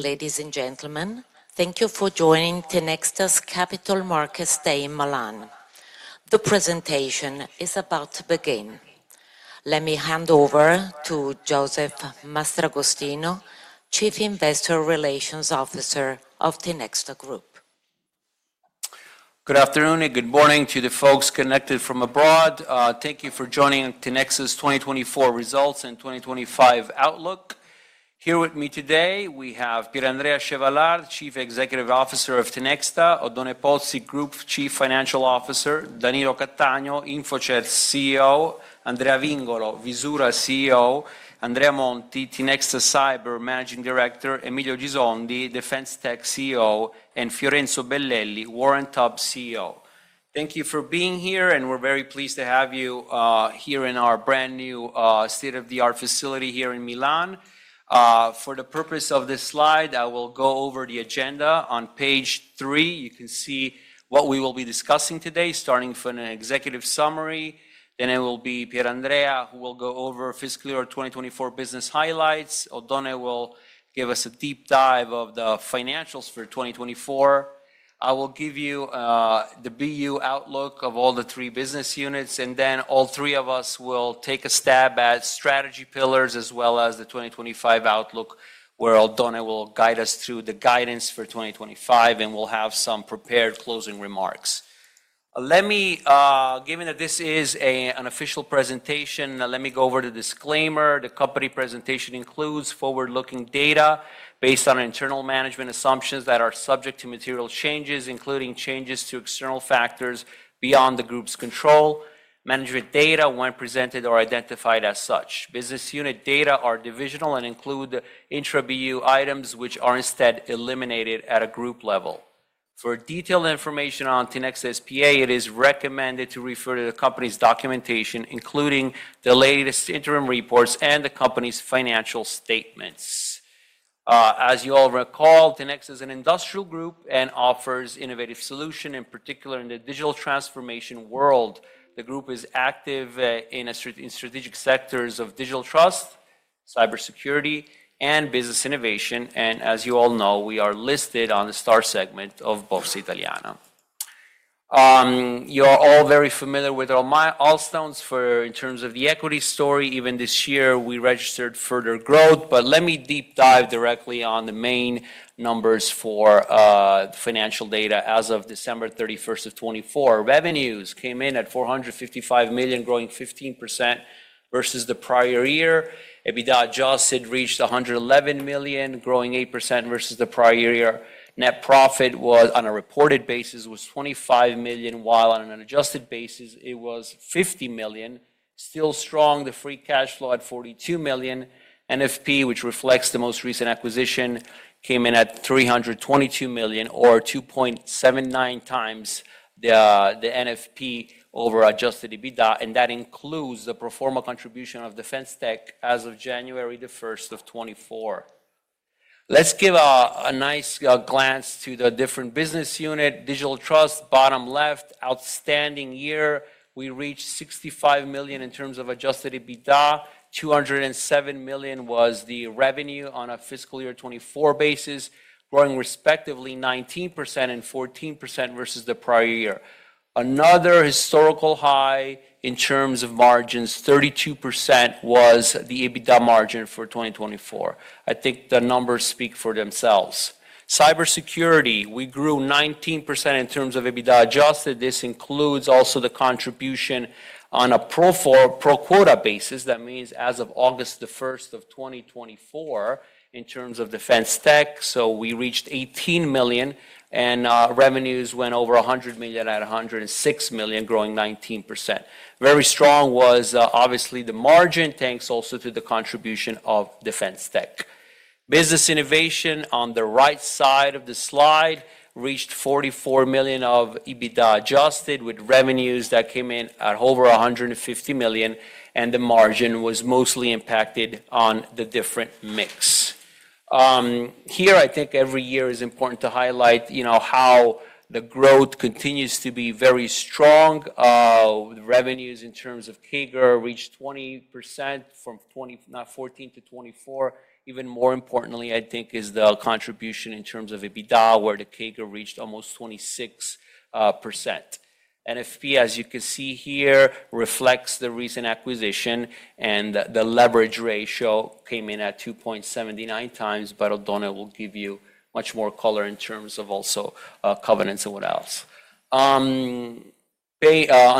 Ladies and gentlemen, thank you for joining Tinexta's Capital Markets Day in Milan. The presentation is about to begin. Let me hand over to Josef Mastragostino, Chief Investor Relations Officer of Tinexta Group. Good afternoon and good morning to the folks connected from abroad. Thank you for joining Tinexta's 2024 results and 2025 outlook. Here with me today, we have Pier Andrea Chevallard, Chief Executive Officer of Tinexta; Oddone Pozzi, Group Chief Financial Officer; Danilo Cattaneo, InforCert CEO; Andrea Vingolo, Visura CEO; Andrea Monti, Tinexta Cyber Managing Director; Emilio Gisondi, Defense Technology CEO; and Fiorenzo Bellelli, Warrant Hub CEO. Thank you for being here, and we're very pleased to have you here in our brand new state-of-the-art facility here in Milan. For the purpose of this slide, I will go over the agenda. On page three, you can see what we will be discussing today, starting from an executive summary. Then it will be Pier Andrea, who will go over fiscal year 2024 business highlights. Oddone will give us a deep dive of the financials for 2024. I will give you the BU outlook of all the three business units, and then all three of us will take a stab at strategy pillars as well as the 2025 outlook, where Oddone will guide us through the guidance for 2025, and we'll have some prepared closing remarks. Let me, given that this is an official presentation, let me go over the disclaimer. The company presentation includes forward-looking data based on internal management assumptions that are subject to material changes, including changes to external factors beyond the group's control. Management data, when presented, are identified as such. Business unit data are divisional and include intra-BU items, which are instead eliminated at a group level. For detailed information on Tinexta's PA, it is recommended to refer to the company's documentation, including the latest interim reports and the company's financial statements. As you all recall, Tinexta is an industrial group and offers innovative solutions, in particular in the digital transformation world. The group is active in strategic sectors of Digital Trust, cybersecurity, and business innovation. As you all know, we are listed on the STAR segment of Borsa Italiana. You're all very familiar with our milestones in terms of the equity story. Even this year, we registered further growth. Let me deep dive directly on the main numbers for financial data. As of December 31st, 2024, revenues came in at 455 million, growing 15% versus the prior year. EBITDA adjusted reached 111 million, growing 8% versus the prior year. Net profit was, on a reported basis, 25 million, while on an adjusted basis, it was 50 million. Still strong, the free cash flow at 42 million. NFP, which reflects the most recent acquisition, came in at 322 million, or 2.79 times the NFP over adjusted EBITDA. That includes the pro forma contribution of Defense Technology as of January 1st of 2024. Let's give a nice glance to the different business unit. Digital trust, bottom left, outstanding year. We reached 65 million in terms of adjusted EBITDA. 207 million was the revenue on a fiscal year 2024 basis, growing respectively 19% and 14% versus the prior year. Another historical high in terms of margins, 32%, was the EBITDA margin for 2024. I think the numbers speak for themselves. Cybersecurity, we grew 19% in terms of EBITDA adjusted. This includes also the contribution on a pro quota basis. That means as of August 1st of 2024, in terms of Defense Technology, we reached 18 million, and revenues went over 100 million at 106 million, growing 19%. Very strong was, obviously, the margin, thanks also to the contribution of Defense Technology. Business innovation, on the right side of the slide, reached 44 million of EBITDA adjusted, with revenues that came in at over 150 million, and the margin was mostly impacted on the different mix. Here, I think every year is important to highlight how the growth continues to be very strong. Revenues in terms of CAGR reached 20% from 2014, not 2014, to 2024. Even more importantly, I think, is the contribution in terms of EBITDA, where the CAGR reached almost 26%. NFP, as you can see here, reflects the recent acquisition, and the leverage ratio came in at 2.79 times, but Oddone will give you much more color in terms of also covenants and what else. On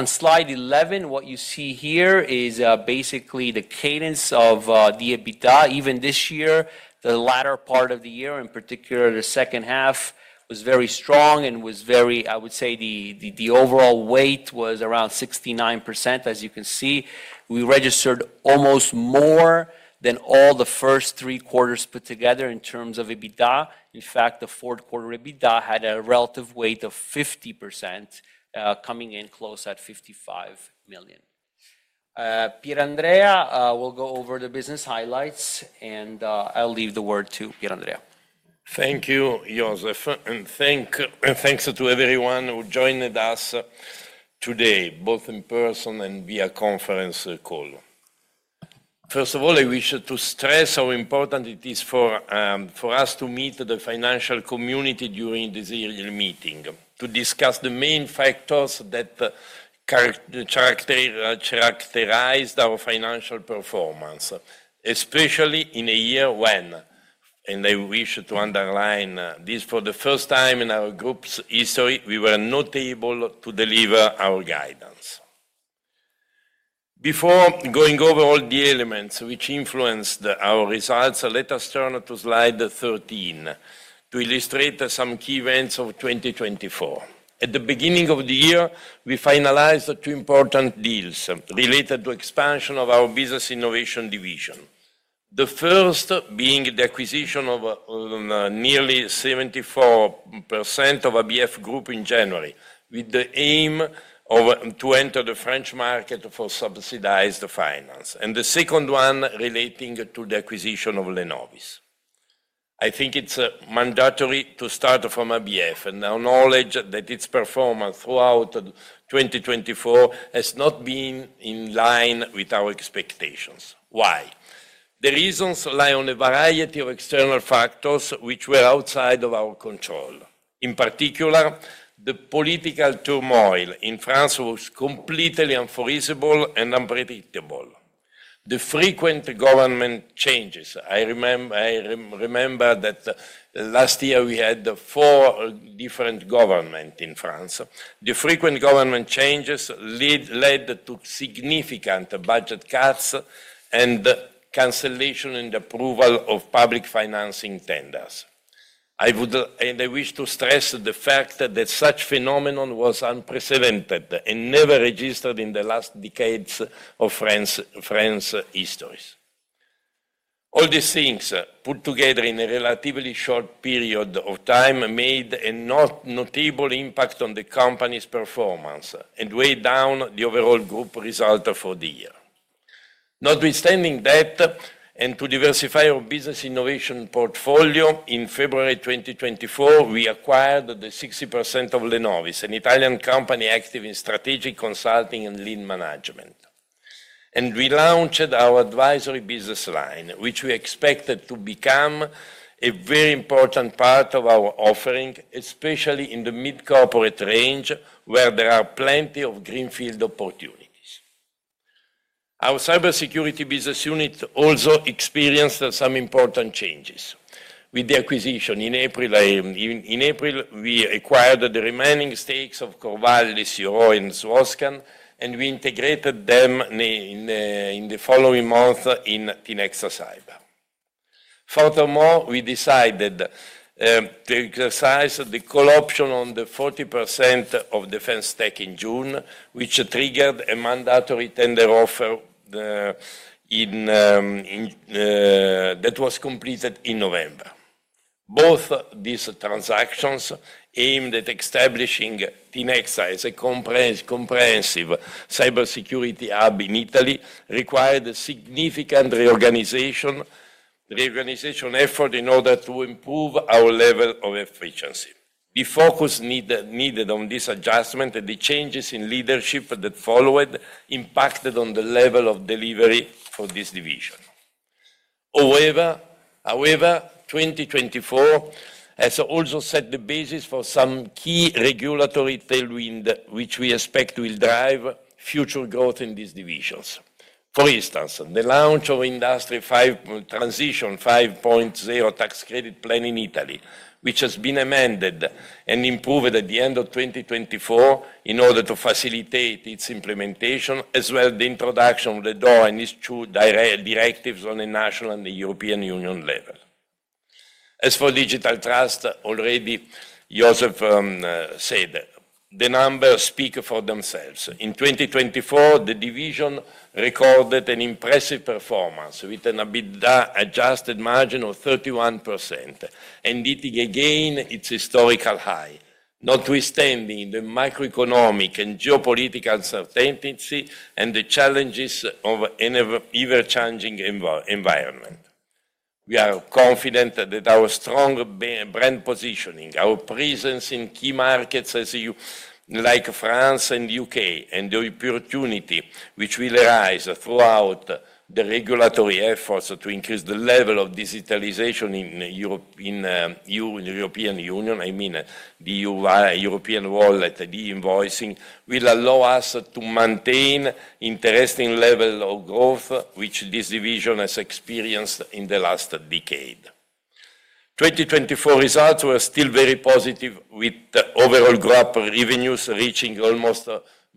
slide 11, what you see here is basically the cadence of the EBITDA. Even this year, the latter part of the year, in particular the second half, was very strong and was very, I would say the overall weight was around 69%, as you can see. We registered almost more than all the first three quarters put together in terms of EBITDA. In fact, the fourth quarter EBITDA had a relative weight of 50%, coming in close at 55 million. Pier Andrea, we'll go over the business highlights, and I'll leave the word to Pier Andrea. Thank you, Josef, and thanks to everyone who joined us today, both in person and via conference call. First of all, I wish to stress how important it is for us to meet the financial community during this yearly meeting to discuss the main factors that characterized our financial performance, especially in a year when, and I wish to underline this, for the first time in our group's history, we were not able to deliver our guidance. Before going over all the enologylements which influenced our results, let us turn to slide 13 to illustrate some key events of 2024. At the beginning of the year, we finalized two important deals related to expansion of our business innovation division, the first being the acquisition of nearly 74% of ABF Group in January with the aim of entering the French market for subsidized finance, and the second one relating to the acquisition of Lenovis. I think it's mandatory to start from ABF and acknowledge that its performance throughout 2024 has not been in line with our expectations. Why? The reasons lie on a variety of external factors which were outside of our control. In particular, the political turmoil in France was completely unforeseeable and unpredictable. The frequent government changes, I remember that last year we had four different governments in France. The frequent government changes led to significant budget cuts and cancellation in the approval of public financing tenders. I would, and I wish to stress the fact that such phenomenon was unprecedented and never registered in the last decades of France's history. All these things put together in a relatively short period of time made a notable impact on the company's performance and weighed down the overall group result for the year. Notwithstanding that, to diversify our business innovation portfolio, in February 2024, we acquired 60% of Lenovis, an Italian company active in strategic consulting and lean management. We launched our advisory business line, which we expected to become a very important part of our offering, especially in the mid-corporate range, where there are plenty of greenfield opportunities. Our cybersecurity business unit also experienced some important changes with the acquisition. In April, we acquired the remaining stakes of Corvallis, Leciró, and Suozcan, and we integrated them in the following month in Tinexta Cyber. Furthermore, we decided to exercise the call option on the 40% of Defense Technology in June, which triggered a mandatory tender offer that was completed in November. Both these transactions aimed at establishing Tinexta as a comprehensive cybersecurity hub in Italy, required significant reorganization efforts in order to improve our level of efficiency. The focus needed on this adjustment and the changes in leadership that followed impacted on the level of delivery for this division. However, 2024 has also set the basis for some key regulatory tailwinds, which we expect will drive future growth in these divisions. For instance, the launch of Industry Transition 5.0 tax credit plan in Italy, which has been amended and improved at the end of 2024 in order to facilitate its implementation, as well as the introduction of the DORA and its two directives on a national and European Union level. As for Digital Trust, already Josef said, the numbers speak for themselves. In 2024, the division recorded an impressive performance with an EBITDA adjusted margin of 31%, ending again its historical high, notwithstanding the macroeconomic and geopolitical certainty and the challenges of an ever-changing environment. We are confident that our strong brand positioning, our presence in key markets like France and the U.K., and the opportunity which will arise throughout the regulatory efforts to increase the level of digitalization in the European Union, I mean the European wallet, the invoicing, will allow us to maintain an interesting level of growth, which this division has experienced in the last decade. 2024 results were still very positive, with overall growth revenues reaching almost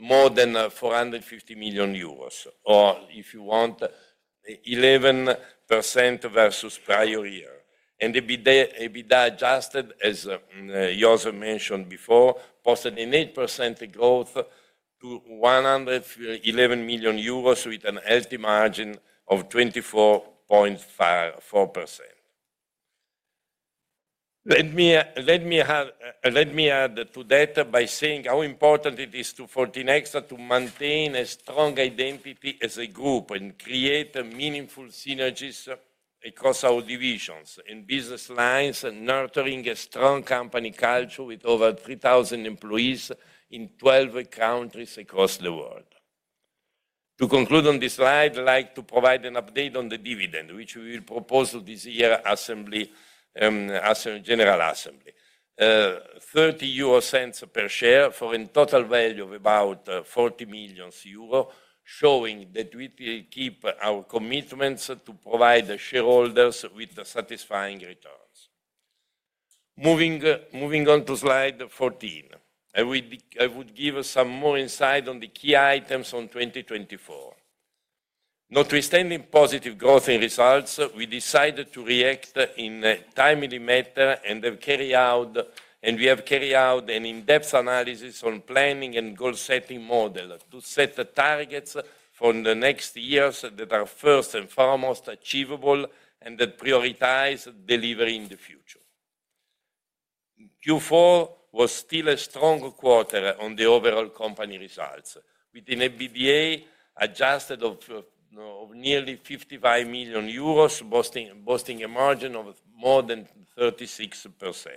more than 450 million euros, or if you want, 11% versus prior year. EBITDA adjusted, as Josef mentioned before, posted an 8% growth to 111 million euros with a healthy margin of 24.4%. Let me add to that by saying how important it is to Tinexta to maintain a strong identity as a group and create meaningful synergies across our divisions and business lines, nurturing a strong company culture with over 3,000 employees in 12 countries across the world. To conclude on this slide, I'd like to provide an update on the dividend, which we will propose to this year's general assembly: 0.30 per share for a total value of about 40 million euro, showing that we will keep our commitments to provide shareholders with satisfying returns. Moving on to slide 14, I would give some more insight on the key items on 2024. Notwithstanding positive growth in results, we decided to react in a timely manner and we have carried out an in-depth analysis on planning and goal-setting models to set targets for the next years that are first and foremost achievable and that prioritize delivery in the future. Q4 was still a strong quarter on the overall company results, with an EBITDA adjusted of nearly 55 million euros, boasting a margin of more than 36%.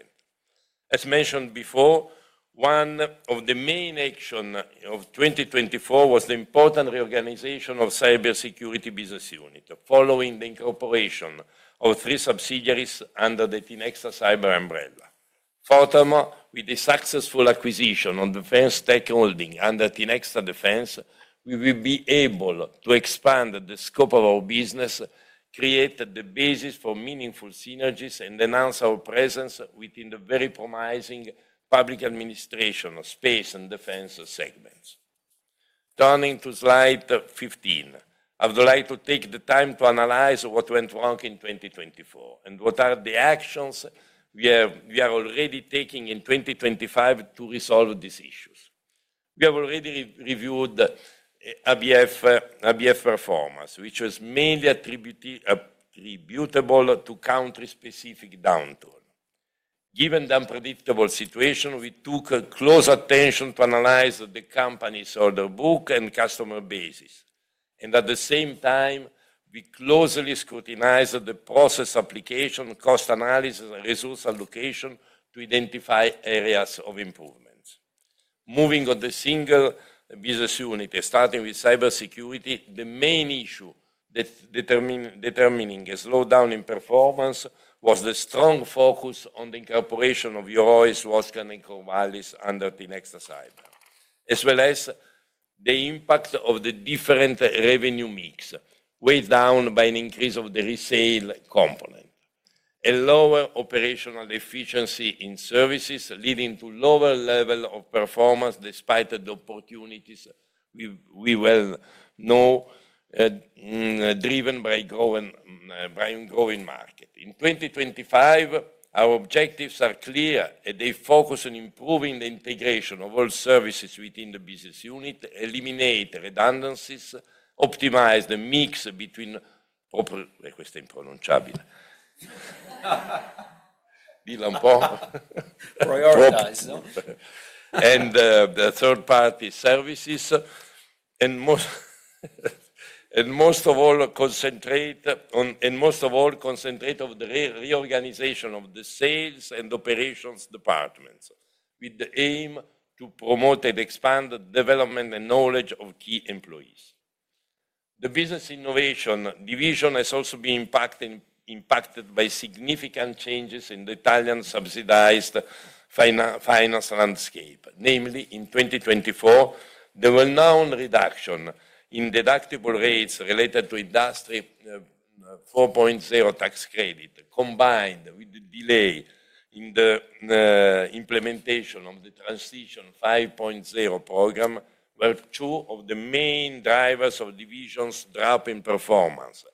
As mentioned before, one of the main actions of 2024 was the important reorganization of the cybersecurity business unit following the incorporation of three subsidiaries under the Tinexta Cyber umbrella. Furthermore, with the successful acquisition of Defense Technology Holding under Tinexta Defense, we will be able to expand the scope of our business, create the basis for meaningful synergies, and enhance our presence within the very promising public administration space and defense segments. Turning to slide 15, I would like to take the time to analyze what went wrong in 2024 and what are the actions we are already taking in 2025 to resolve these issues. We have already reviewed ABF Group performance, which was mainly attributable to country-specific downturn. Given the unpredictable situation, we took close attention to analyze the company's order book and customer base. At the same time, we closely scrutinized the process application, cost analysis, and resource allocation to identify areas of improvement. Moving on to the single business unit, starting with cybersecurity, the main issue determining a slowdown in performance was the strong focus on the incorporation of Leciró, Suozcan, and Corvallis under Tinexta Cyber, as well as the impact of the different revenue mix, weighed down by an increase of the resale component. A lower operational efficiency in services led to a lower level of performance despite the opportunities we well know, driven by a growing market. In 2025, our objectives are clear, and they focus on improving the integration of all services within the business unit, eliminating redundancies, optimizing the mix between prioritize and third-party services, and most of all, concentrate on the reorganization of the sales and operations departments with the aim to promote and expand the development and knowledge of key employees. The business innovation division has also been impacted by significant changes in the Italian subsidized finance landscape. Namely, in 2024, the renowned reduction in deductible rates related to Industry 4.0 tax credit, combined with the delay in the implementation of the Transition 5.0 program, were two of the main drivers of the division's drop in performance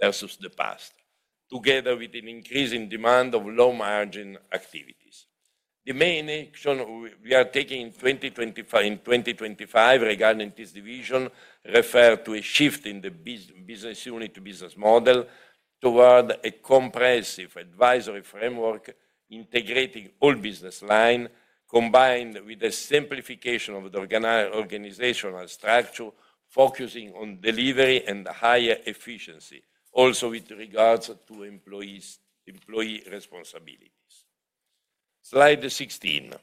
versus the past, together with an increase in demand of low-margin activities. The main action we are taking in 2025 regarding this division refers to a shift in the business unit business model toward a comprehensive advisory framework integrating all business lines, combined with a simplification of the organizational structure, focusing on delivery and higher efficiency, also with regards to employee responsibilities. Slide 16.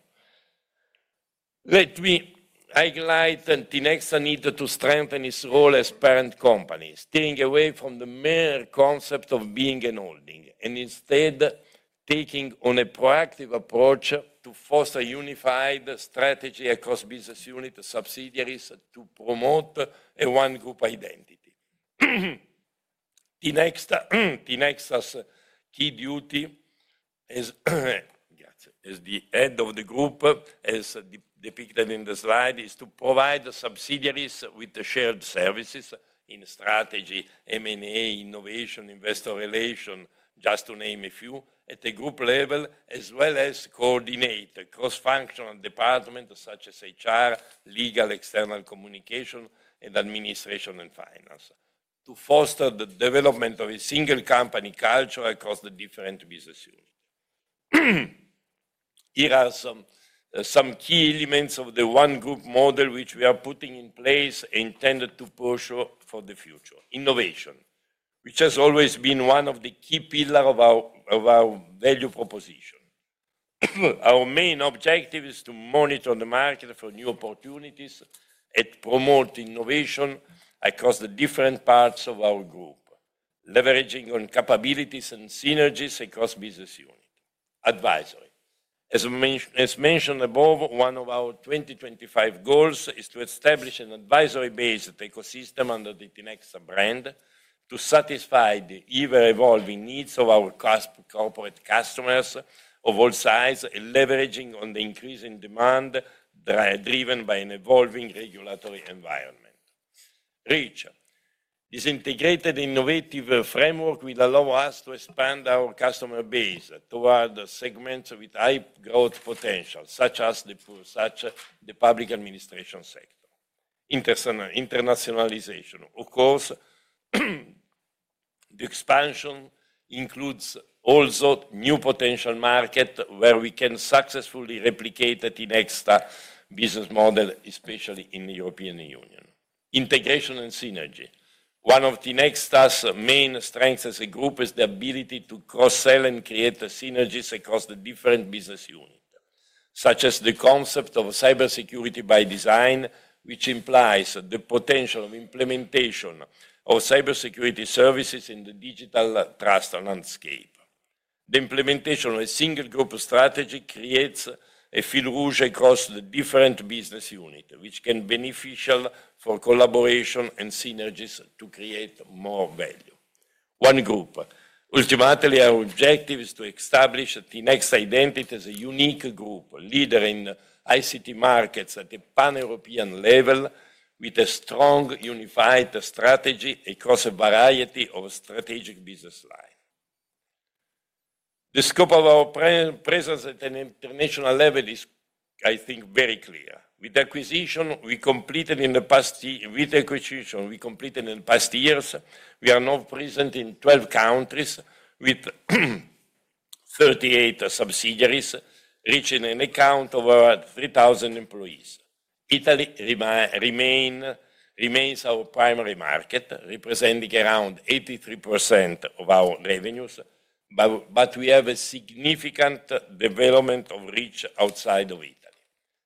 Let me highlight Tinexta's need to strengthen its role as parent company, steering away from the mere concept of being a holding and instead taking on a proactive approach to foster a unified strategy across business unit subsidiaries to promote a one-group identity. Tinexta's key duty as the head of the group, as depicted in the slide, is to provide subsidiaries with shared services in strategy, M&A, innovation, investor relation, just to name a few, at the group level, as well as coordinate cross-functional departments such as HR, legal, external communication, and administration and finance to foster the development of a single company culture across the different business units. Here are some key elements of the one-group model which we are putting in place and intended to push for the future: innovation, which has always been one of the key pillars of our value proposition. Our main objective is to monitor the market for new opportunities and promote innovation across the different parts of our group, leveraging on capabilities and synergies across business units. Advisory. As mentioned above, one of our 2025 goals is to establish an advisory-based ecosystem under the Tinexta brand to satisfy the ever-evolving needs of our corporate customers of all sizes, leveraging on the increasing demand driven by an evolving regulatory environment. Reach. This integrated innovative framework will allow us to expand our customer base toward segments with high growth potential, such as the public administration sector. Internationalization. Of course, the expansion includes also new potential markets where we can successfully replicate the Tinexta business model, especially in the European Union. Integration and synergy. One of Tinexta's main strengths as a group is the ability to cross-sell and create synergies across the different business units, such as the concept of cybersecurity by design, which implies the potential of implementation of cybersecurity services in the Digital Trust landscape. The implementation of a single group strategy creates a fil rouge across the different business units, which can be beneficial for collaboration and synergies to create more value. One group. Ultimately, our objective is to establish Tinexta Identity as a unique group, a leader in ICT markets at a pan-European level with a strong unified strategy across a variety of strategic business lines. The scope of our presence at an international level is, I think, very clear. With acquisition we completed in the past, with acquisition we completed in the past years, we are now present in 12 countries with 38 subsidiaries, reaching an account of about 3,000 employees. Italy remains our primary market, representing around 83% of our revenues, but we have a significant development of reach outside of Italy,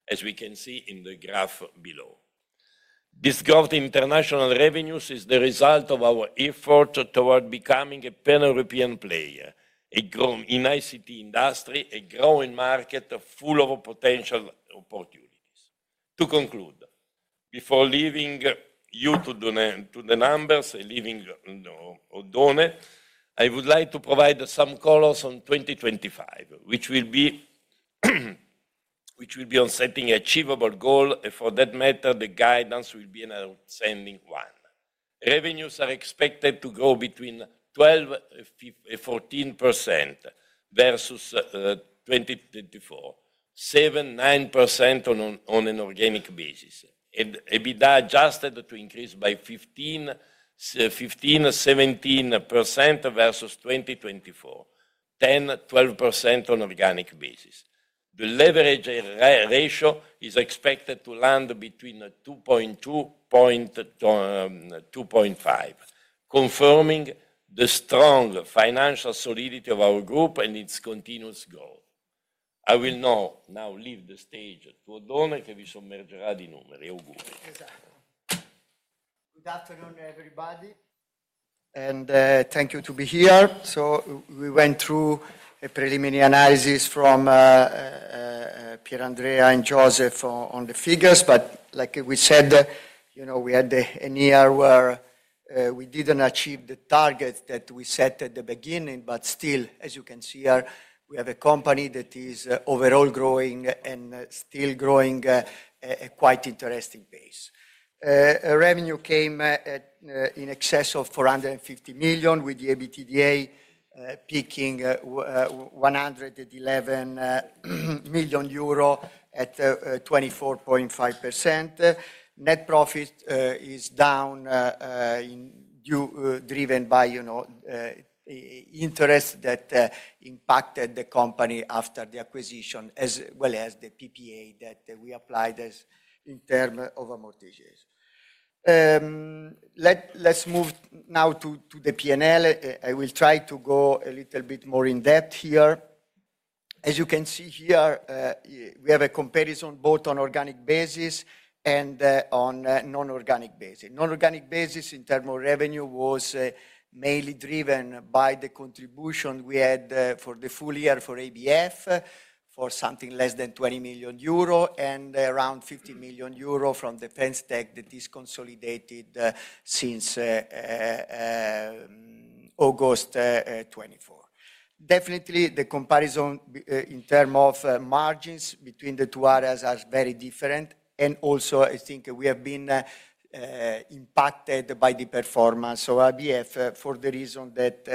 as we can see in the graph below. This growth in international revenues is the result of our effort toward becoming a pan-European player, a growing ICT industry, a growing market full of potential opportunities. To conclude, before leaving you to the numbers and leaving Oddone, I would like to provide some colors on 2025, which will be on setting achievable goals, and for that matter, the guidance will be an outstanding one. Revenues are expected to grow between 12% to 14% versus 2024, 7% to 9% on an organic basis, and EBITDA adjusted to increase by 15% to 17% versus 2024, 10% to 12% on an organic basis. The leverage ratio is expected to land between 2.2 to 2.5, confirming the strong financial solidity of our group and its continuous growth. I will now leave the stage to Oddone Pozzi. Exactly. Good afternoon, everybody. And thank you for being here. We went through a preliminary analysis from Pier Andrea and Josef on the figures, but like we said, you know, we had a year where we did not achieve the target that we set at the beginning, but still, as you can see here, we have a company that is overall growing and still growing at a quite interesting pace. Revenue came in excess of 450 million, with the EBITDA peaking 111 million euro at 24.5%. Net profit is down, driven by, you know, interest that impacted the company after the acquisition, as well as the PPA that we applied in terms of amortization. Let's move now to the P&L. I will try to go a little bit more in depth here. As you can see here, we have a comparison both on an organic basis and on a non-organic basis. Non-organic basis in terms of revenue was mainly driven by the contribution we had for the full year for ABF, for something less than 20 million euro and around 50 million euro from Defense Technology that is consolidated since August 2024. Definitely, the comparison in terms of margins between the two areas is very different, and also, I think we have been impacted by the performance of ABF for the reason that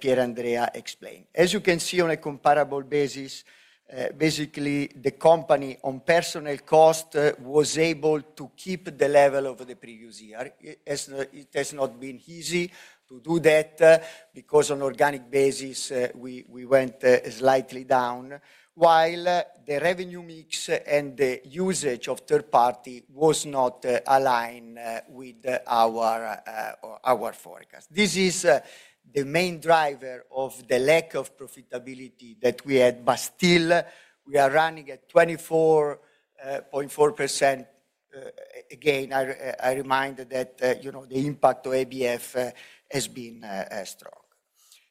Pier Andrea explained. As you can see, on a comparable basis, basically, the company on personal cost was able to keep the level of the previous year. It has not been easy to do that because on an organic basis, we went slightly down, while the revenue mix and the usage of third party was not aligned with our forecast. This is the main driver of the lack of profitability that we had, but still, we are running at 24.4%. Again, I remind that, you know, the impact of ABF has been strong.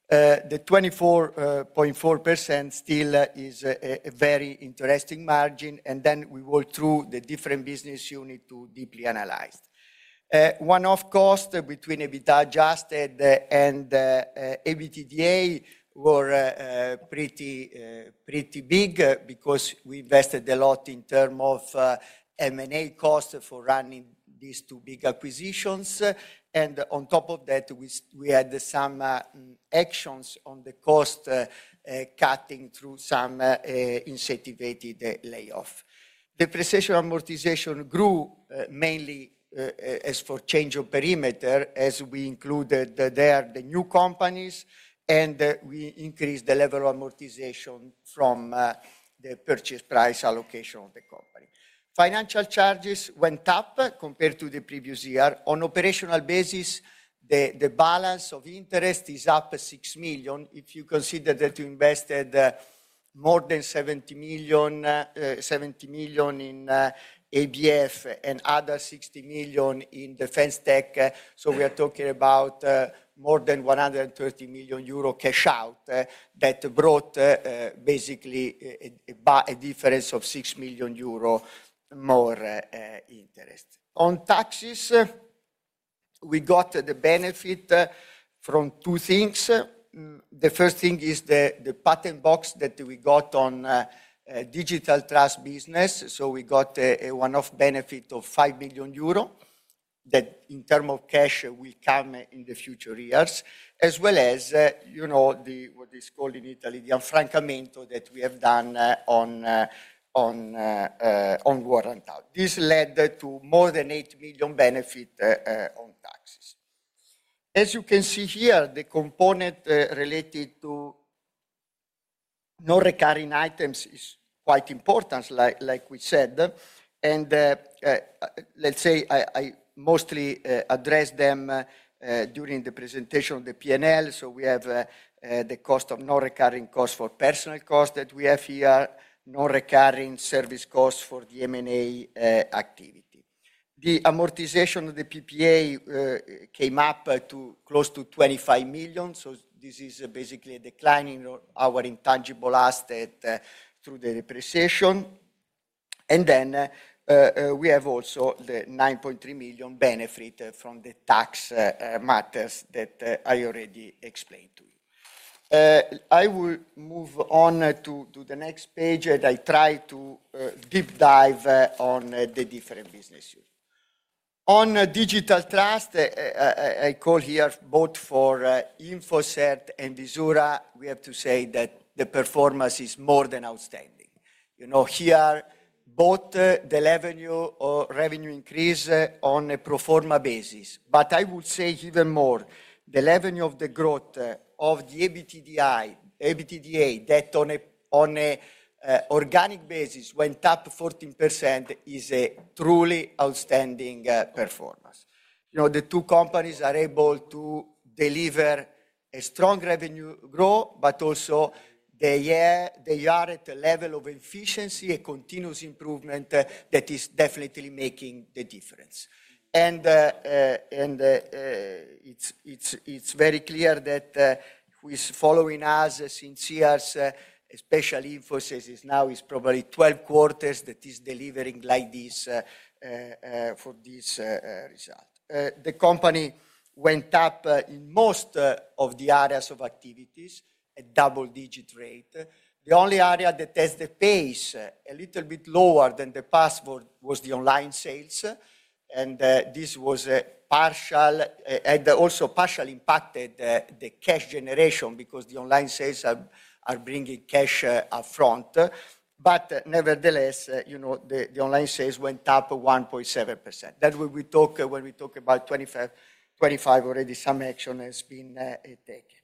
The 24.4% still is a very interesting margin, and then we walked through the different business units to deeply analyze. One-off cost between EBITDA adjusted and EBITDA were pretty big because we invested a lot in terms of M&A costs for running these two big acquisitions. On top of that, we had some actions on the cost cutting through some incentivated layoffs. Depreciation amortization grew mainly as for change of perimeter as we included there the new companies, and we increased the level of amortization from the purchase price allocation of the company. Financial charges went up compared to the previous year. On an operational basis, the balance of interest is up 6 million. If you consider that we invested more than 70 million in ABF and other 60 million in Defense Technology, we are talking about more than 130 million euro cash out that brought basically a difference of 6 million euro more interest. On taxes, we got the benefit from two things. The first thing is the patent box that we got on Digital Trust business, so we got a one-off benefit of 5 million euro that in terms of cash will come in the future years, as well as, you know, what is called in Italy the affrancamento that we have done on Warrant Hub. This led to more than 8 million benefit on taxes. As you can see here, the component related to non-recurring items is quite important, like we said, and let's say I mostly addressed them during the presentation of the P&L, so we have the cost of non-recurring costs for personnel costs that we have here, non-recurring service costs for the M&A activity. The amortization of the PPA came up to close to 25 million, so this is basically a decline in our intangible assets through the depreciation. Then we have also the 9.3 million benefit from the tax matters that I already explained to you. I will move on to the next page, and I try to deep dive on the different business units. On Digital Trust, I call here both for InforCert and Visura, we have to say that the performance is more than outstanding. You know, here, both the revenue increase on a proforma basis, but I would say even more, the revenue of the growth of the EBITDA that on an organic basis went up 14% is a truly outstanding performance. You know, the two companies are able to deliver a strong revenue growth, but also they are at a level of efficiency and continuous improvement that is definitely making the difference. It is very clear that who is following us since years, especially InforCert, is now probably 12 quarters that is delivering like this for this result. The company went up in most of the areas of activities at double-digit rate. The only area that has the pace a little bit lower than the past was the online sales, and this was a partial and also partially impacted the cash generation because the online sales are bringing cash upfront. Nevertheless, you know, the online sales went up 1.7%. That will be talked when we talk about 25%, 25% already some action has been taken.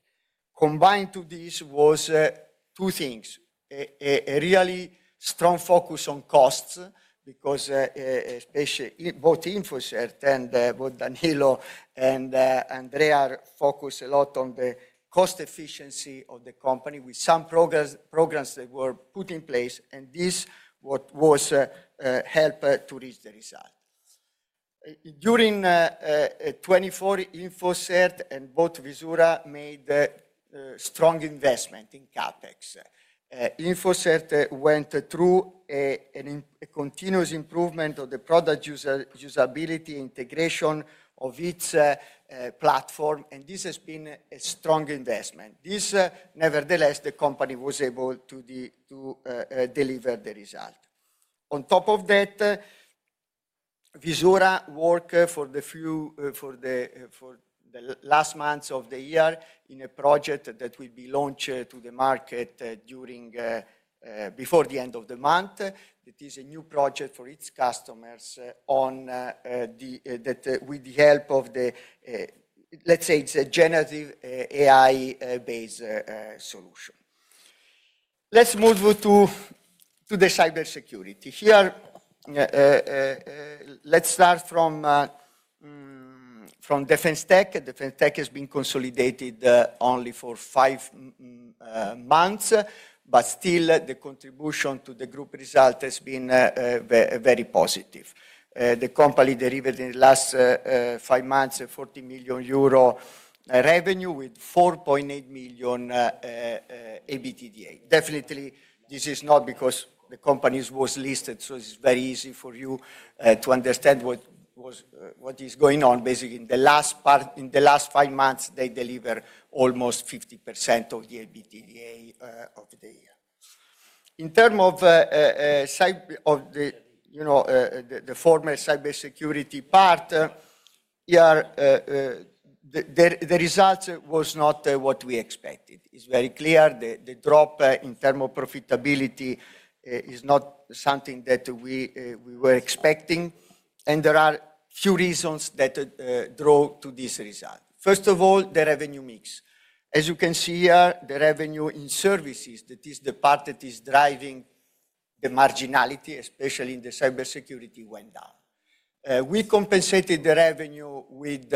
Combined to this was two things: a really strong focus on costs because both InforCert and both Danilo and Andrea focused a lot on the cost efficiency of the company with some programs that were put in place, and this helped to reach the result. During 2024, InforCert and both Visura made a strong investment in CapEx. InforCert went through a continuous improvement of the product usability integration of its platform, and this has been a strong investment. This nevertheless, the company was able to deliver the result. On top of that, Visura worked for the last months of the year in a project that will be launched to the market before the end of the month. It is a new project for its customers on the, with the help of the, let's say, it's a generative AI-based solution. Let's move to the cybersecurity. Here, let's start from Defense Technology. Defense Technology has been consolidated only for five months, but still, the contribution to the group result has been very positive. The company delivered in the last five months 40 million euro revenue with 4.8 million EBITDA. Definitely, this is not because the company was listed, so it's very easy for you to understand what is going on. Basically, in the last five months, they delivered almost 50% of the EBITDA of the year. In terms of the, you know, the former cybersecurity part, the result was not what we expected. It's very clear the drop in terms of profitability is not something that we were expecting, and there are a few reasons that drove to this result. First of all, the revenue mix. As you can see here, the revenue in services, that is the part that is driving the marginality, especially in the cybersecurity, went down. We compensated the revenue with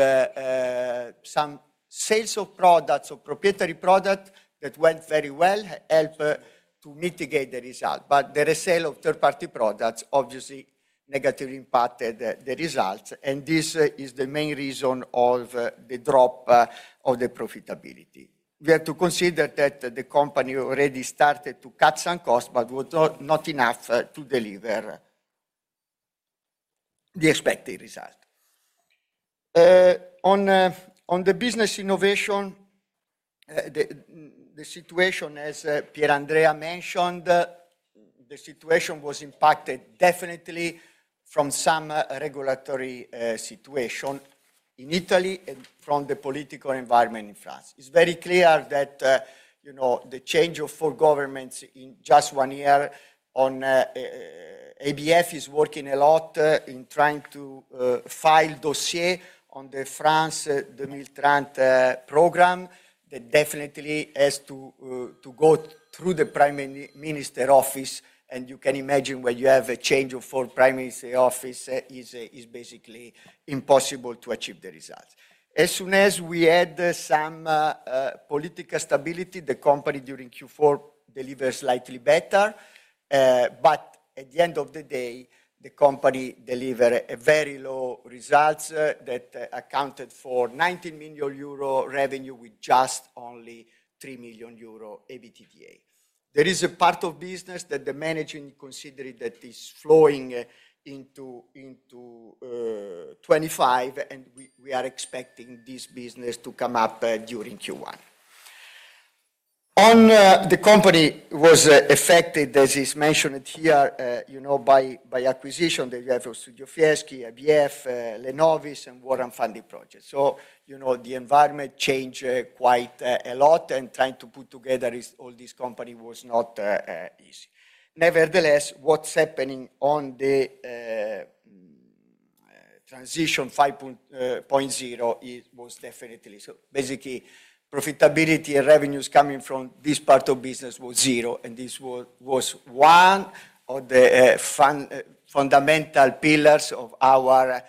some sales of products or proprietary products that went very well, helped to mitigate the result, but the resale of third-party products obviously negatively impacted the results, and this is the main reason of the drop of the profitability. We have to consider that the company already started to cut some costs, but was not enough to deliver the expected result. On the business innovation, the situation, as Pier Andrea mentioned, the situation was impacted definitely from some regulatory situation in Italy and from the political environment in France. It's very clear that, you know, the change of four governments in just one year on ABF is working a lot in trying to file a dossier on the France 2030 program that definitely has to go through the Prime Minister's office, and you can imagine when you have a change of four Prime Minister's office, it is basically impossible to achieve the results. As soon as we had some political stability, the company during Q4 delivered slightly better, but at the end of the day, the company delivered very low results that accounted for 19 million euro revenue with just only 3 million euro EBITDA. There is a part of business that the managing considered that is flowing into 2025, and we are expecting this business to come up during Q1. On the company was affected, as is mentioned here, you know, by acquisition that you have of Studio Fieschi, ABF, Lenovis, and Warrant Funding Project. You know, the environment changed quite a lot, and trying to put together all this company was not easy. Nevertheless, what's happening on the Transition 5.0 was definitely, so basically, profitability and revenues coming from this part of business was zero, and this was one of the fundamental pillars of our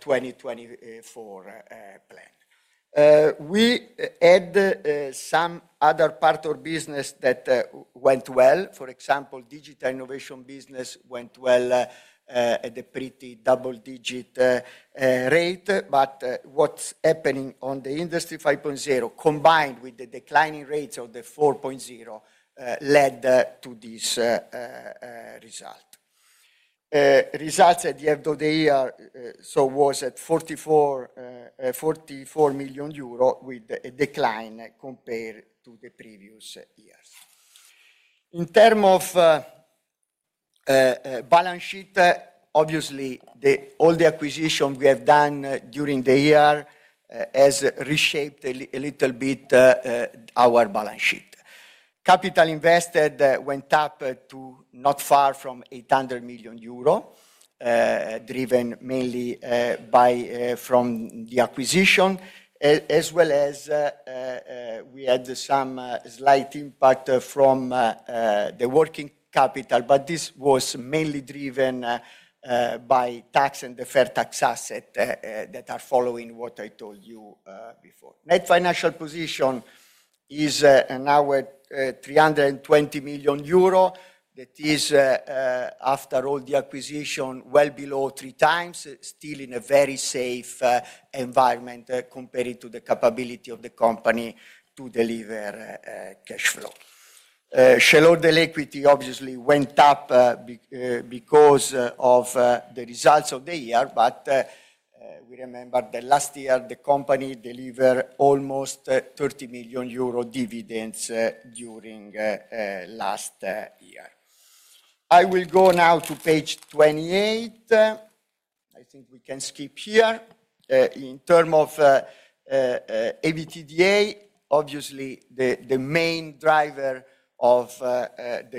2024 plan. We had some other parts of business that went well. For example, Digital Innovation Business went well at a pretty double-digit rate, but what's happening on the Industry 5.0 combined with the declining rates of the Industry 4.0 led to this result. Results at the end of the year so was at 44 million euro with a decline compared to the previous year. In terms of balance sheet, obviously, all the acquisitions we have done during the year have reshaped a little bit our balance sheet. Capital invested went up to not far from 800 million euro, driven mainly by from the acquisition, as well as we had some slight impact from the working capital, but this was mainly driven by tax and the fair tax asset that are following what I told you before. Net financial position is now at 320 million euro that is, after all the acquisition, well below three times, still in a very safe environment compared to the capability of the company to deliver cash flow. Shareholder equity obviously went up because of the results of the year, but we remember that last year the company delivered almost 30 million euro dividends during last year. I will go now to page 28. I think we can skip here. In terms of EBITDA, obviously, the main driver of the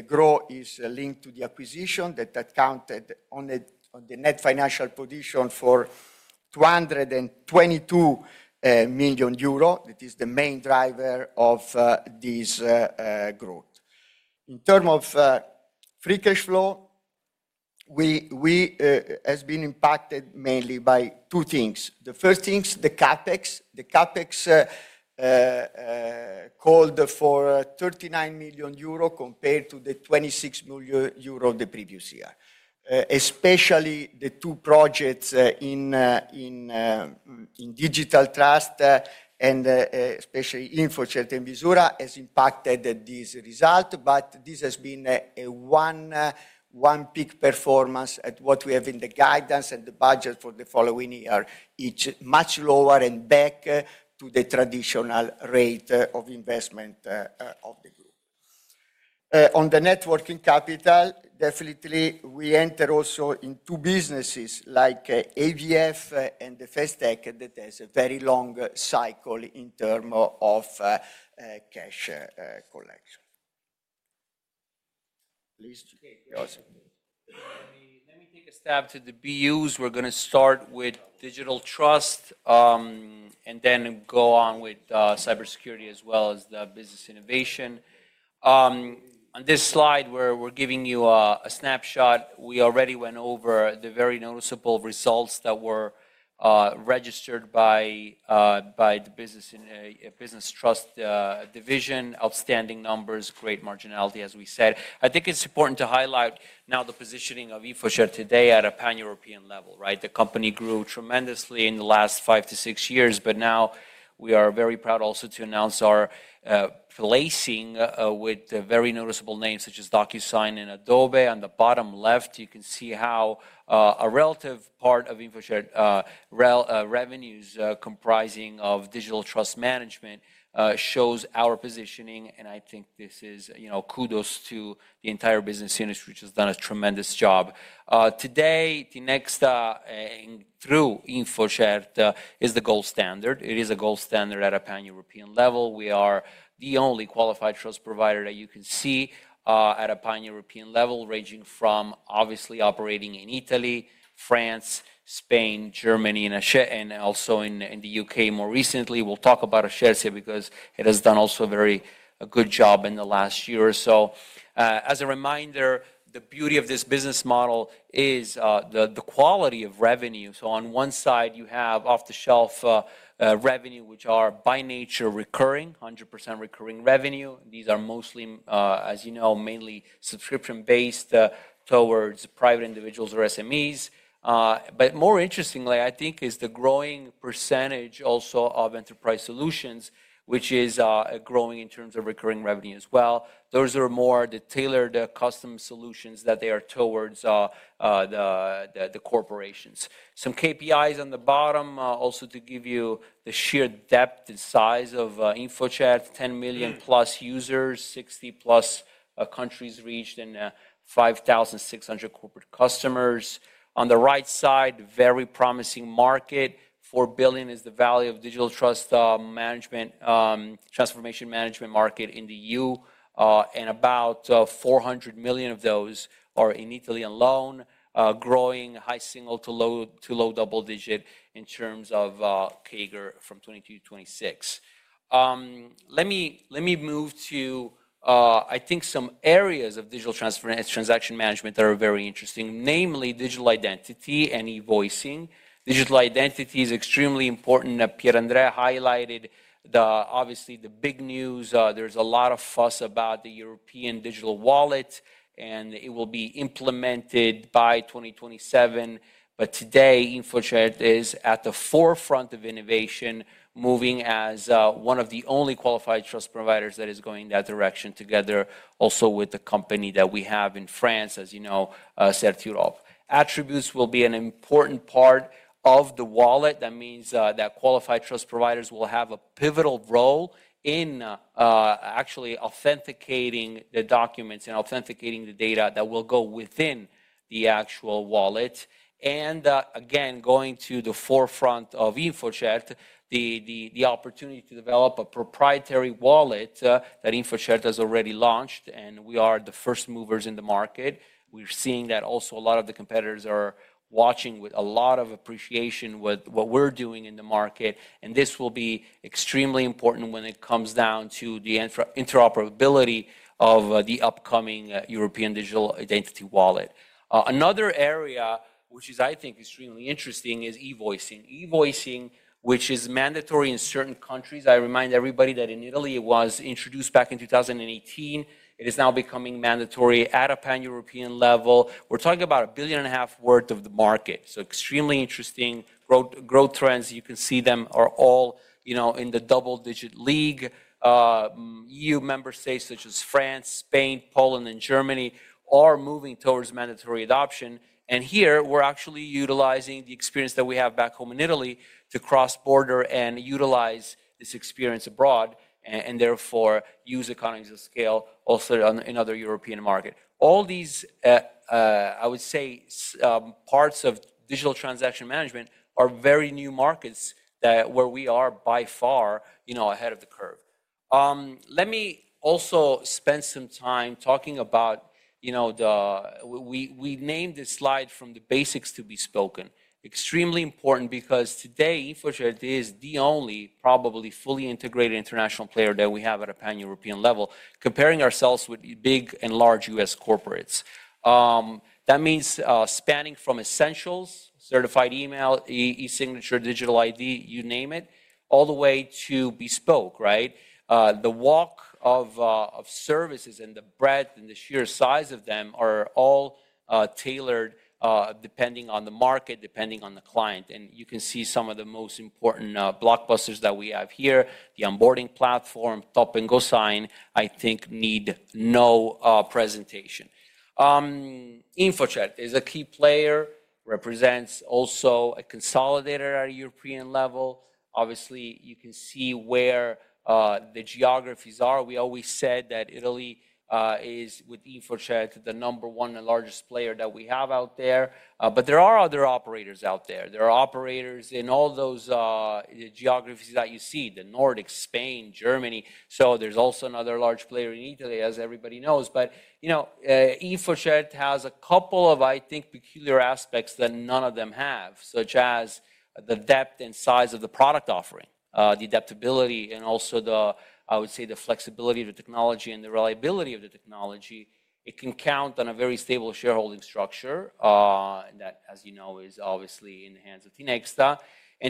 growth is linked to the acquisition that accounted on the net financial position for 222 million euro. That is the main driver of this growth. In terms of free cash flow, it has been impacted mainly by two things. The first thing is the CapEx. The CapEx called for 39 million euro compared to the 26 million euro of the previous year. Especially the two projects in Digital Trust and especially InfoCert and Visura have impacted this result, but this has been a one-peak performance at what we have in the guidance and the budget for the following year. It's much lower and back to the traditional rate of investment of the group. On the networking capital, definitely we enter also into businesses like ABF and the Festech that has a very long cycle in terms of cash collection. Please, Josef. Let me take a stab to the BUs. We're going to start with Digital Trust and then go on with cybersecurity as well as the business innovation. On this slide, we're giving you a snapshot. We already went over the very noticeable results that were registered by the Business Trust division. Outstanding numbers, great marginality, as we said. I think it's important to highlight now the positioning of InforCert today at a pan-European level, right? The company grew tremendously in the last five to six years, but now we are very proud also to announce our placing with very noticeable names such as DocuSign and Adobe. On the bottom left, you can see how a relative part of InforCert revenues comprising of Digital Trust management shows our positioning, and I think this is, you know, kudos to the entire business unit, which has done a tremendous job. Today, Tinexta through InforCert is the gold standard. It is a gold standard at a pan-European level. We are the only qualified trust provider that you can see at a pan-European level, ranging from obviously operating in Italy, France, Spain, Germany, and also in the U.K. more recently. We'll talk about Ashersia because it has done also a very good job in the last year or so. As a reminder, the beauty of this business model is the quality of revenue. On one side, you have off-the-shelf revenue, which are by nature recurring, 100% recurring revenue. These are mostly, as you know, mainly subscription-based towards private individuals or SMEs. More interestingly, I think, is the growing percentage also of enterprise solutions, which is growing in terms of recurring revenue as well. Those are more the tailored custom solutions that they are towards the corporations. Some KPIs on the bottom also to give you the sheer depth and size of InfoCert: 10 million+ users, 60 million+ countries reached, and 5,600 corporate customers. On the right side, very promising market: 4 billion is the value of Digital Trust management transformation management market in the EU, and about 400 million of those are in Italy alone, growing high single to low double-digit in terms of CAGR from 2022 to 2026. Let me move to, I think, some areas of digital transaction management that are very interesting, namely digital identity and e-invoicing. Digital identity is extremely important. Pier Andrea highlighted obviously the big news. There is a lot of fuss about the European Digital Wallet, and it will be implemented by 2027. Today, InforCert is at the forefront of innovation, moving as one of the only qualified trust providers that is going in that direction together also with the company that we have in France, as you know, Sertiorob. Attributes will be an important part of the wallet. That means that qualified trust providers will have a pivotal role in actually authenticating the documents and authenticating the data that will go within the actual wallet. Again, going to the forefront of InforCert, the opportunity to develop a proprietary wallet that InforCert has already launched, and we are the first movers in the market. We're seeing that also a lot of the competitors are watching with a lot of appreciation what we're doing in the market, and this will be extremely important when it comes down to the interoperability of the upcoming European Digital Wallet. Another area, which is, I think, extremely interesting, is e-invoicing. E-invoicing, which is mandatory in certain countries. I remind everybody that in Italy, it was introduced back in 2018. It is now becoming mandatory at a pan-European level. We're talking about 1.5 billion worth of the market. Extremely interesting growth trends. You can see them are all, you know, in the double-digit league. EU member states such as France, Spain, Poland, and Germany are moving towards mandatory adoption. Here, we're actually utilizing the experience that we have back home in Italy to cross-border and utilize this experience abroad and therefore use economies of scale also in other European markets. All these, I would say, parts of digital transaction management are very new markets where we are by far, you know, ahead of the curve. Let me also spend some time talking about, you know, we named this slide from the basics to bespoke. Extremely important because today, InforCert is the only probably fully integrated international player that we have at a pan-European level, comparing ourselves with big and large U.S. corporates. That means spanning from essentials, certified email, e-signature, digital ID, you name it, all the way to bespoke, right? The walk of services and the breadth and the sheer size of them are all tailored depending on the market, depending on the client. You can see some of the most important blockbusters that we have here, the onboarding platform, Top and GoSign, I think need no presentation. InforCert is a key player, represents also a consolidator at a European level. Obviously, you can see where the geographies are. We always said that Italy is, with InforCert, the number one and largest player that we have out there. There are other operators out there. There are operators in all those geographies that you see: the Nordics, Spain, Germany. There is also another large player in Italy, as everybody knows. You know, InforCert has a couple of, I think, peculiar aspects that none of them have, such as the depth and size of the product offering, the adaptability, and also the, I would say, the flexibility of the technology and the reliability of the technology. It can count on a very stable shareholding structure that, as you know, is obviously in the hands of Tinexta.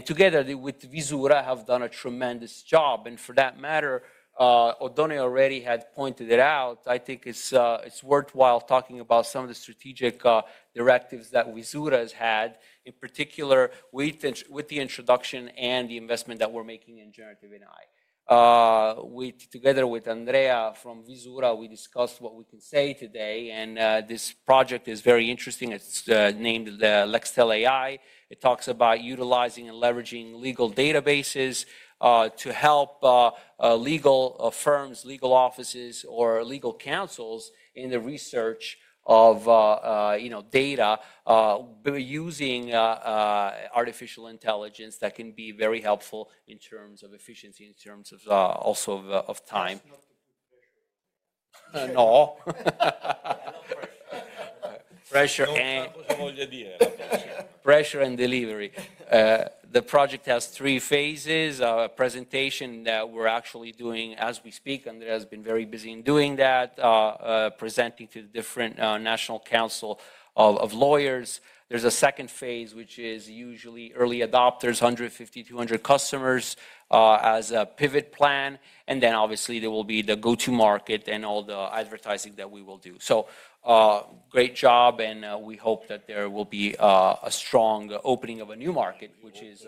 Together with Visura, have done a tremendous job. For that matter, Oddone already had pointed it out. I think it's worthwhile talking about some of the strategic directives that Visura has had, in particular with the introduction and the investment that we're making in generative AI. Together with Andrea from Visura, we discussed what we can say today. This project is very interesting. It's named Lextel AI. It talks about utilizing and leveraging legal databases to help legal firms, legal offices, or legal counsels in the research of, you know, data using artificial intelligence that can be very helpful in terms of efficiency, in terms of also of time. No. Pressure and delivery. The project has three phases: presentation that we're actually doing as we speak. Andrea has been very busy in doing that, presenting to the different National Council of Lawyers. There's a second phase, which is usually early adopters, 150, 200 customers as a pivot plan. Obviously, there will be the go-to market and all the advertising that we will do. Great job, and we hope that there will be a strong opening of a new market, which is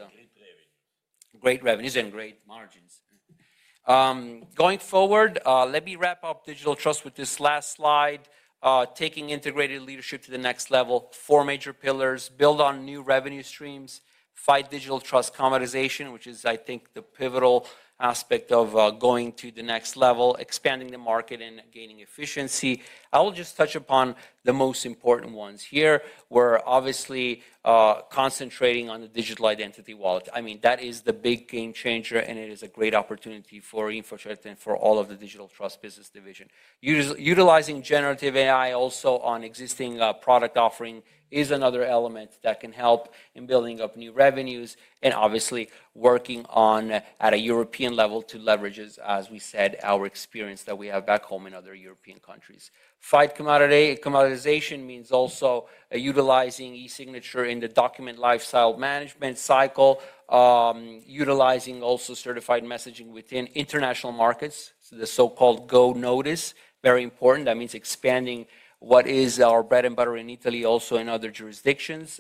great revenues and great margins. Going forward, let me wrap up Digital Trust with this last slide: taking integrated leadership to the next level, four major pillars, build on new revenue streams, fight Digital Trust commoditization, which is, I think, the pivotal aspect of going to the next level, expanding the market and gaining efficiency. I will just touch upon the most important ones here. We're obviously concentrating on the digital identity wallet. I mean, that is the big game changer, and it is a great opportunity for InforCert and for all of the Digital Trust business division. Utilizing generative AI also on existing product offering is another element that can help in building up new revenues and obviously working at a European level to leverage, as we said, our experience that we have back home in other European countries. Fight commodization means also utilizing e-signature in the document lifecycle management cycle, utilizing also certified messaging within international markets, the so-called Go Notice. Very important. That means expanding what is our bread and butter in Italy, also in other jurisdictions.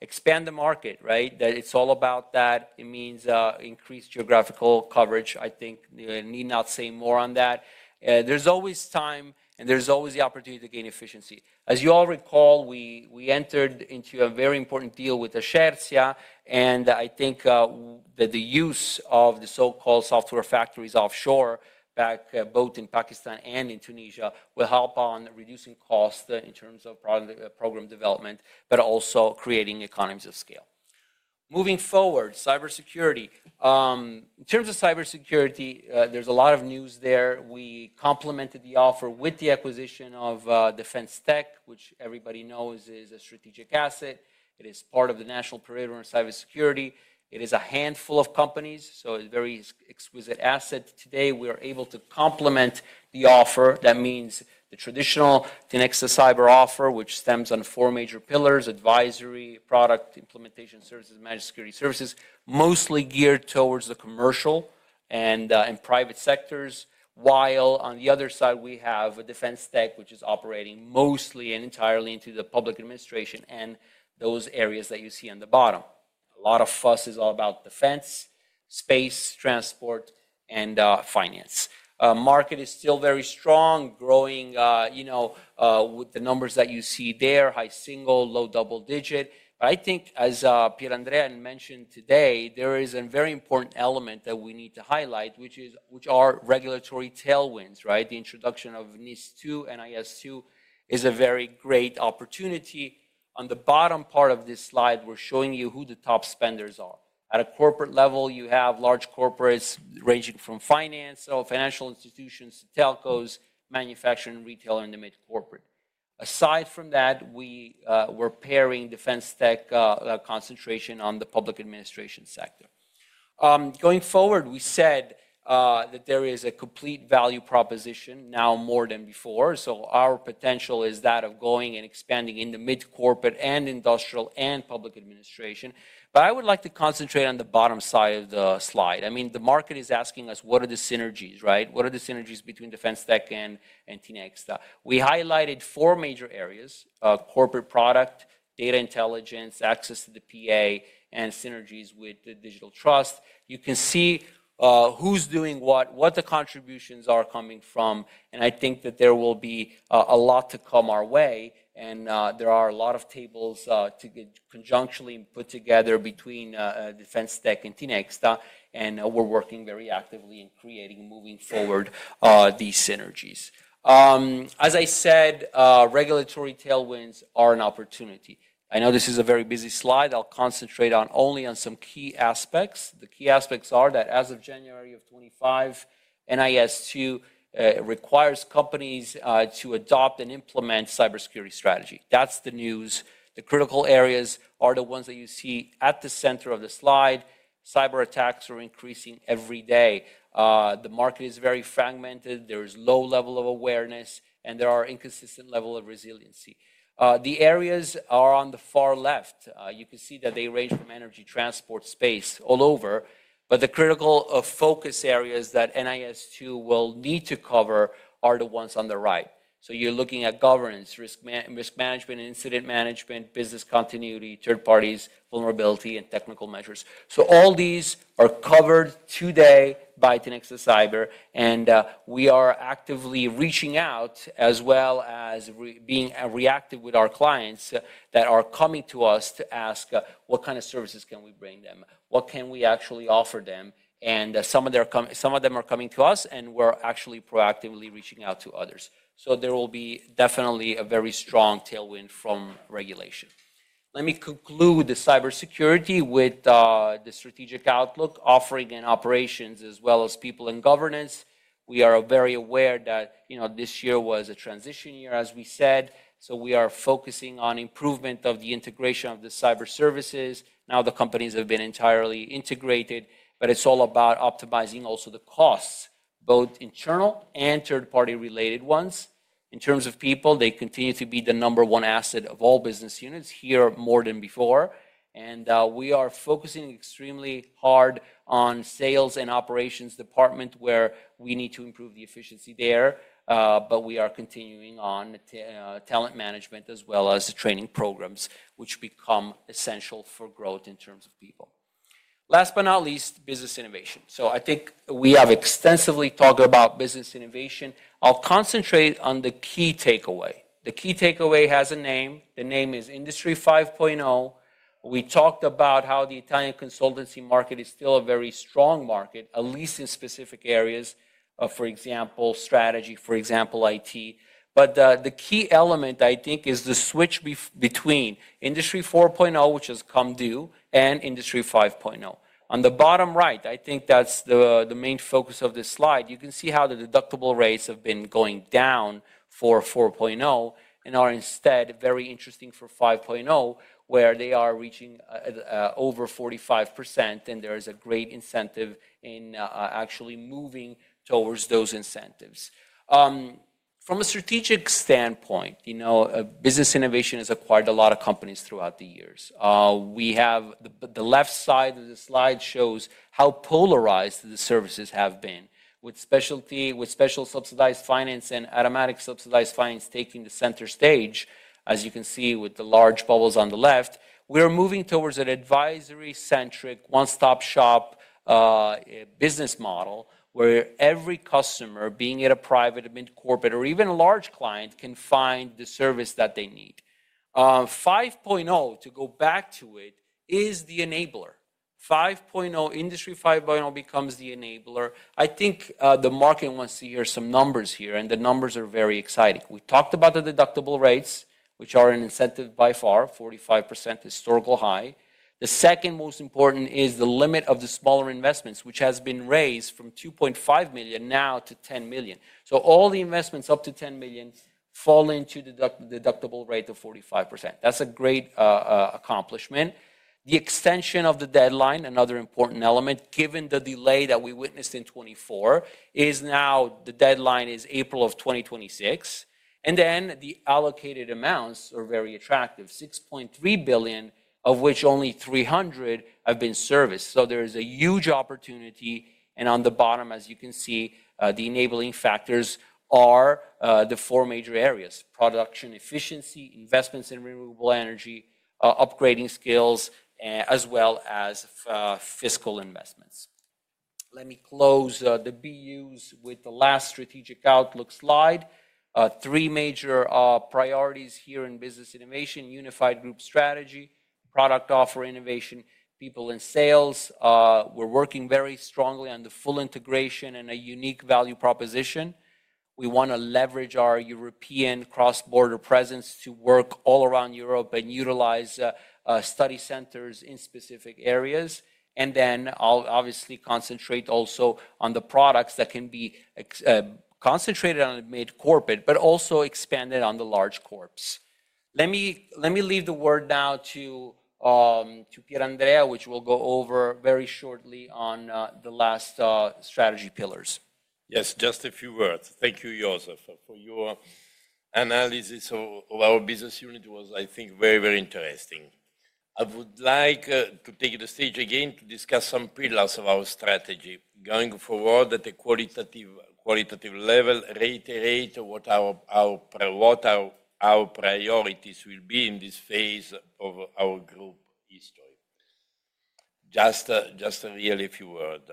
Expand the market, right? It's all about that. It means increased geographical coverage. I think need not say more on that. There's always time and there's always the opportunity to gain efficiency. As you all recall, we entered into a very important deal with Ashersia, and I think that the use of the so-called software factories offshore back both in Pakistan and in Tunisia will help on reducing costs in terms of program development, but also creating economies of scale. Moving forward, cybersecurity. In terms of cybersecurity, there's a lot of news there. We complemented the offer with the acquisition of Defense Technology, which everybody knows is a strategic asset. It is part of the National Parade on Cybersecurity. It is a handful of companies, so a very exquisite asset. Today, we are able to complement the offer. That means the traditional Tinexta Cyber offer, which stems on four major pillars: advisory, product implementation services, managed security services, mostly geared towards the commercial and private sectors, while on the other side, we have Defense Technology, which is operating mostly and entirely into the public administration and those areas that you see on the bottom. A lot of fuss is all about defense, space, transport, and finance. Market is still very strong, growing, you know, with the numbers that you see there: high single, low double-digit. I think, as Pier Andrea mentioned today, there is a very important element that we need to highlight, which are regulatory tailwinds, right? The introduction of NIS2, NIS2 is a very great opportunity. On the bottom part of this slide, we're showing you who the top spenders are. At a corporate level, you have large corporates ranging from finance, financial institutions, Telcos, manufacturing, retail, and the mid-corporate. Aside from that, we were pairing Defense Technology concentration on the public administration sector. Going forward, we said that there is a complete value proposition now more than before. Our potential is that of going and expanding in the mid-corporate and industrial and public administration. I would like to concentrate on the bottom side of the slide. I mean, the market is asking us, what are the synergies, right? What are the synergies between Defense Technology and Tinexta? We highlighted four major areas: corporate product, data intelligence, access to the PA, and synergies with the Digital Trust. You can see who's doing what, what the contributions are coming from. I think that there will be a lot to come our way. There are a lot of tables to conjunctly put together between Defense Technology and Tinexta. We're working very actively in creating moving forward these synergies. As I said, regulatory tailwinds are an opportunity. I know this is a very busy slide. I'll concentrate only on some key aspects. The key aspects are that as of January of 2025, NIS2 requires companies to adopt and implement cybersecurity strategy. That's the news. The critical areas are the ones that you see at the center of the slide. Cyber attacks are increasing every day. The market is very fragmented. There is low level of awareness, and there are inconsistent levels of resiliency. The areas are on the far left. You can see that they range from energy, transport, space, all over. The critical focus areas that NIS2 will need to cover are the ones on the right. You're looking at governance, risk management, incident management, business continuity, third parties, vulnerability, and technical measures. All these are covered today by Tinexta Cyber. We are actively reaching out as well as being reactive with our clients that are coming to us to ask what kind of services we can bring them, what we can actually offer them. Some of them are coming to us, and we're actually proactively reaching out to others. There will be definitely a very strong tailwind from regulation. Let me conclude the cybersecurity with the strategic outlook, offering and operations, as well as people in governance. We are very aware that, you know, this year was a transition year, as we said. We are focusing on improvement of the integration of the cyber services. Now the companies have been entirely integrated, but it's all about optimizing also the costs, both internal and third-party related ones. In terms of people, they continue to be the number one asset of all business units here more than before. We are focusing extremely hard on sales and operations department where we need to improve the efficiency there. We are continuing on talent management as well as training programs, which become essential for growth in terms of people. Last but not least, business innovation. I think we have extensively talked about business innovation. I'll concentrate on the key takeaway. The key takeaway has a name. The name is Industry 5.0. We talked about how the Italian consultancy market is still a very strong market, at least in specific areas, for example, strategy, for example, IT. The key element, I think, is the switch between Industry 4.0, which has come due, and Industry 5.0. On the bottom right, I think that's the main focus of this slide. You can see how the deductible rates have been going down for Industry 4.0 and are instead very interesting for Industry 5.0, where they are reaching over 45%. There is a great incentive in actually moving towards those incentives. From a strategic standpoint, you know, business innovation has acquired a lot of companies throughout the years. The left side of the slide shows how polarized the services have been, with special subsidized finance and automatic subsidized finance taking the center stage, as you can see with the large bubbles on the left. We are moving towards an advisory-centric one-stop shop business model where every customer, being at a private or mid-corporate or even a large client, can find the service that they need. Industry 5.0, to go back to it, is the enabler. Industry 5.0 becomes the enabler. I think the market wants to hear some numbers here, and the numbers are very exciting. We talked about the deductible rates, which are an incentive by far, 45% historical high. The second most important is the limit of the smaller investments, which has been raised from 2.5 million now to 10 million. All the investments up to 10 million fall into the deductible rate of 45%. That is a great accomplishment. The extension of the deadline, another important element, given the delay that we witnessed in 2024, is now the deadline is April of 2026. The allocated amounts are very attractive: 6.3 billion, of which only 300 million have been serviced. There is a huge opportunity. On the bottom, as you can see, the enabling factors are the four major areas: production efficiency, investments in renewable energy, upgrading skills, as well as fiscal investments. Let me close the BUs with the last strategic outlook slide. Three major priorities here in business innovation: unified group strategy, product offer innovation, people in sales. We are working very strongly on the full integration and a unique value proposition. We want to leverage our European cross-border presence to work all around Europe and utilize study centers in specific areas. I will obviously concentrate also on the products that can be concentrated on mid-corporate, but also expanded on the large corps. Let me leave the word now to Pier Andrea, which we'll go over very shortly on the last strategy pillars. Yes, just a few words. Thank you, Josef, for your analysis of our business unit. It was, I think, very, very interesting. I would like to take the stage again to discuss some pillars of our strategy going forward at a qualitative level, reiterate what our priorities will be in this phase of our group history. Just really a few words.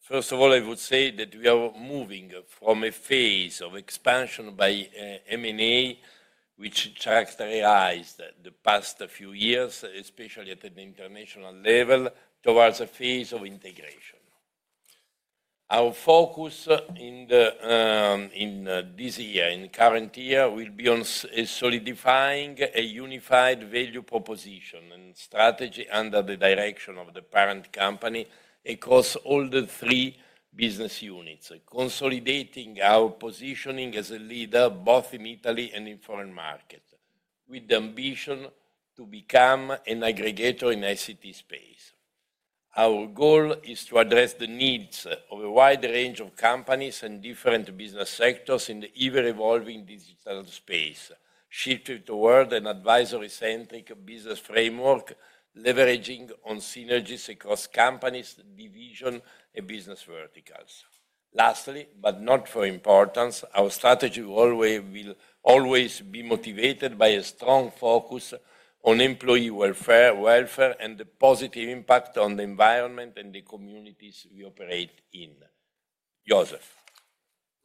First of all, I would say that we are moving from a phase of expansion by M&A, which characterized the past few years, especially at an international level, towards a phase of integration. Our focus in this year, in current year, will be on solidifying a unified value proposition and strategy under the direction of the parent company across all the three business units, consolidating our positioning as a leader both in Italy and in foreign markets with the ambition to become an aggregator in ICT space. Our goal is to address the needs of a wide range of companies and different business sectors in the ever-evolving digital space, shifting toward an advisory-centric business framework, leveraging on synergies across companies, division, and business verticals. Lastly, but not for importance, our strategy will always be motivated by a strong focus on employee welfare and the positive impact on the environment and the communities we operate in. Josef.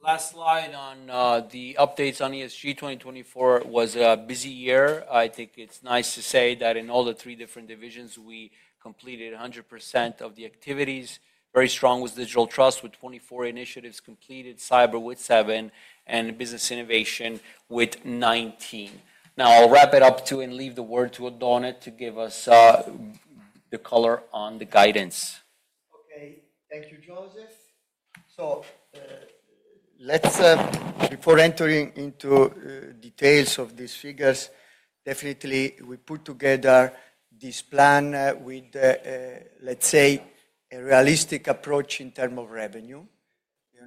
Last slide on the updates on ESG 2024 was a busy year. I think it's nice to say that in all the three different divisions, we completed 100% of the activities. Very strong with Digital Trust, with 24 initiatives completed, cyber with seven, and business innovation with 19. Now I'll wrap it up too and leave the word to Oddone to give us the color on the guidance. Okay, thank you, Josef. Let's, before entering into details of these figures, definitely we put together this plan with, let's say, a realistic approach in terms of revenue.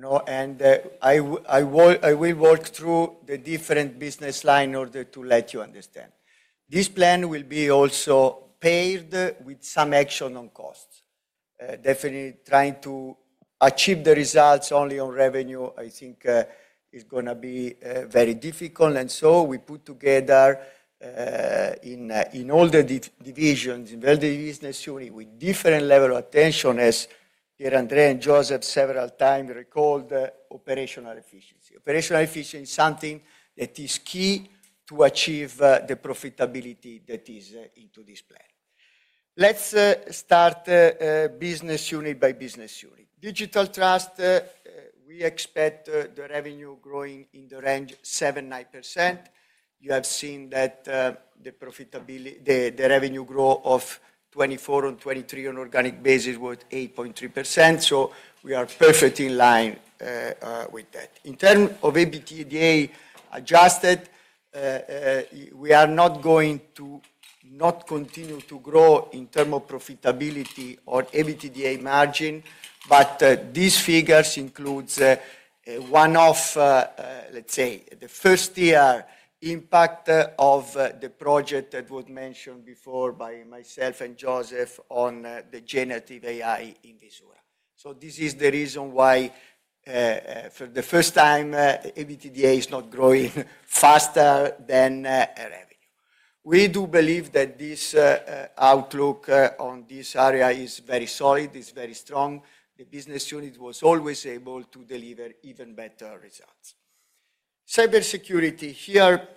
You know, and I will work through the different business lines in order to let you understand. This plan will be also paired with some action on costs. Definitely trying to achieve the results only on revenue, I think, is going to be very difficult. We put together in all the divisions in the business unit with different levels of attention, as Pier Andrea and Josef several times recalled, operational efficiency. Operational efficiency is something that is key to achieve the profitability that is into this plan. Let's start business unit by business unit. Digital Trust, we expect the revenue growing in the range of 7%-9%. You have seen that the profitability, the revenue growth of 24% on 23% on organic basis was 8.3%. We are perfectly in line with that. In terms of EBITDA adjusted, we are not going to not continue to grow in terms of profitability or EBITDA margin, but these figures include one of, let's say, the first-year impact of the project that was mentioned before by myself and Josef on the generative AI in Visura. This is the reason why for the first time, EBITDA is not growing faster than revenue. We do believe that this outlook on this area is very solid, is very strong. The business unit was always able to deliver even better results. Cybersecurity here,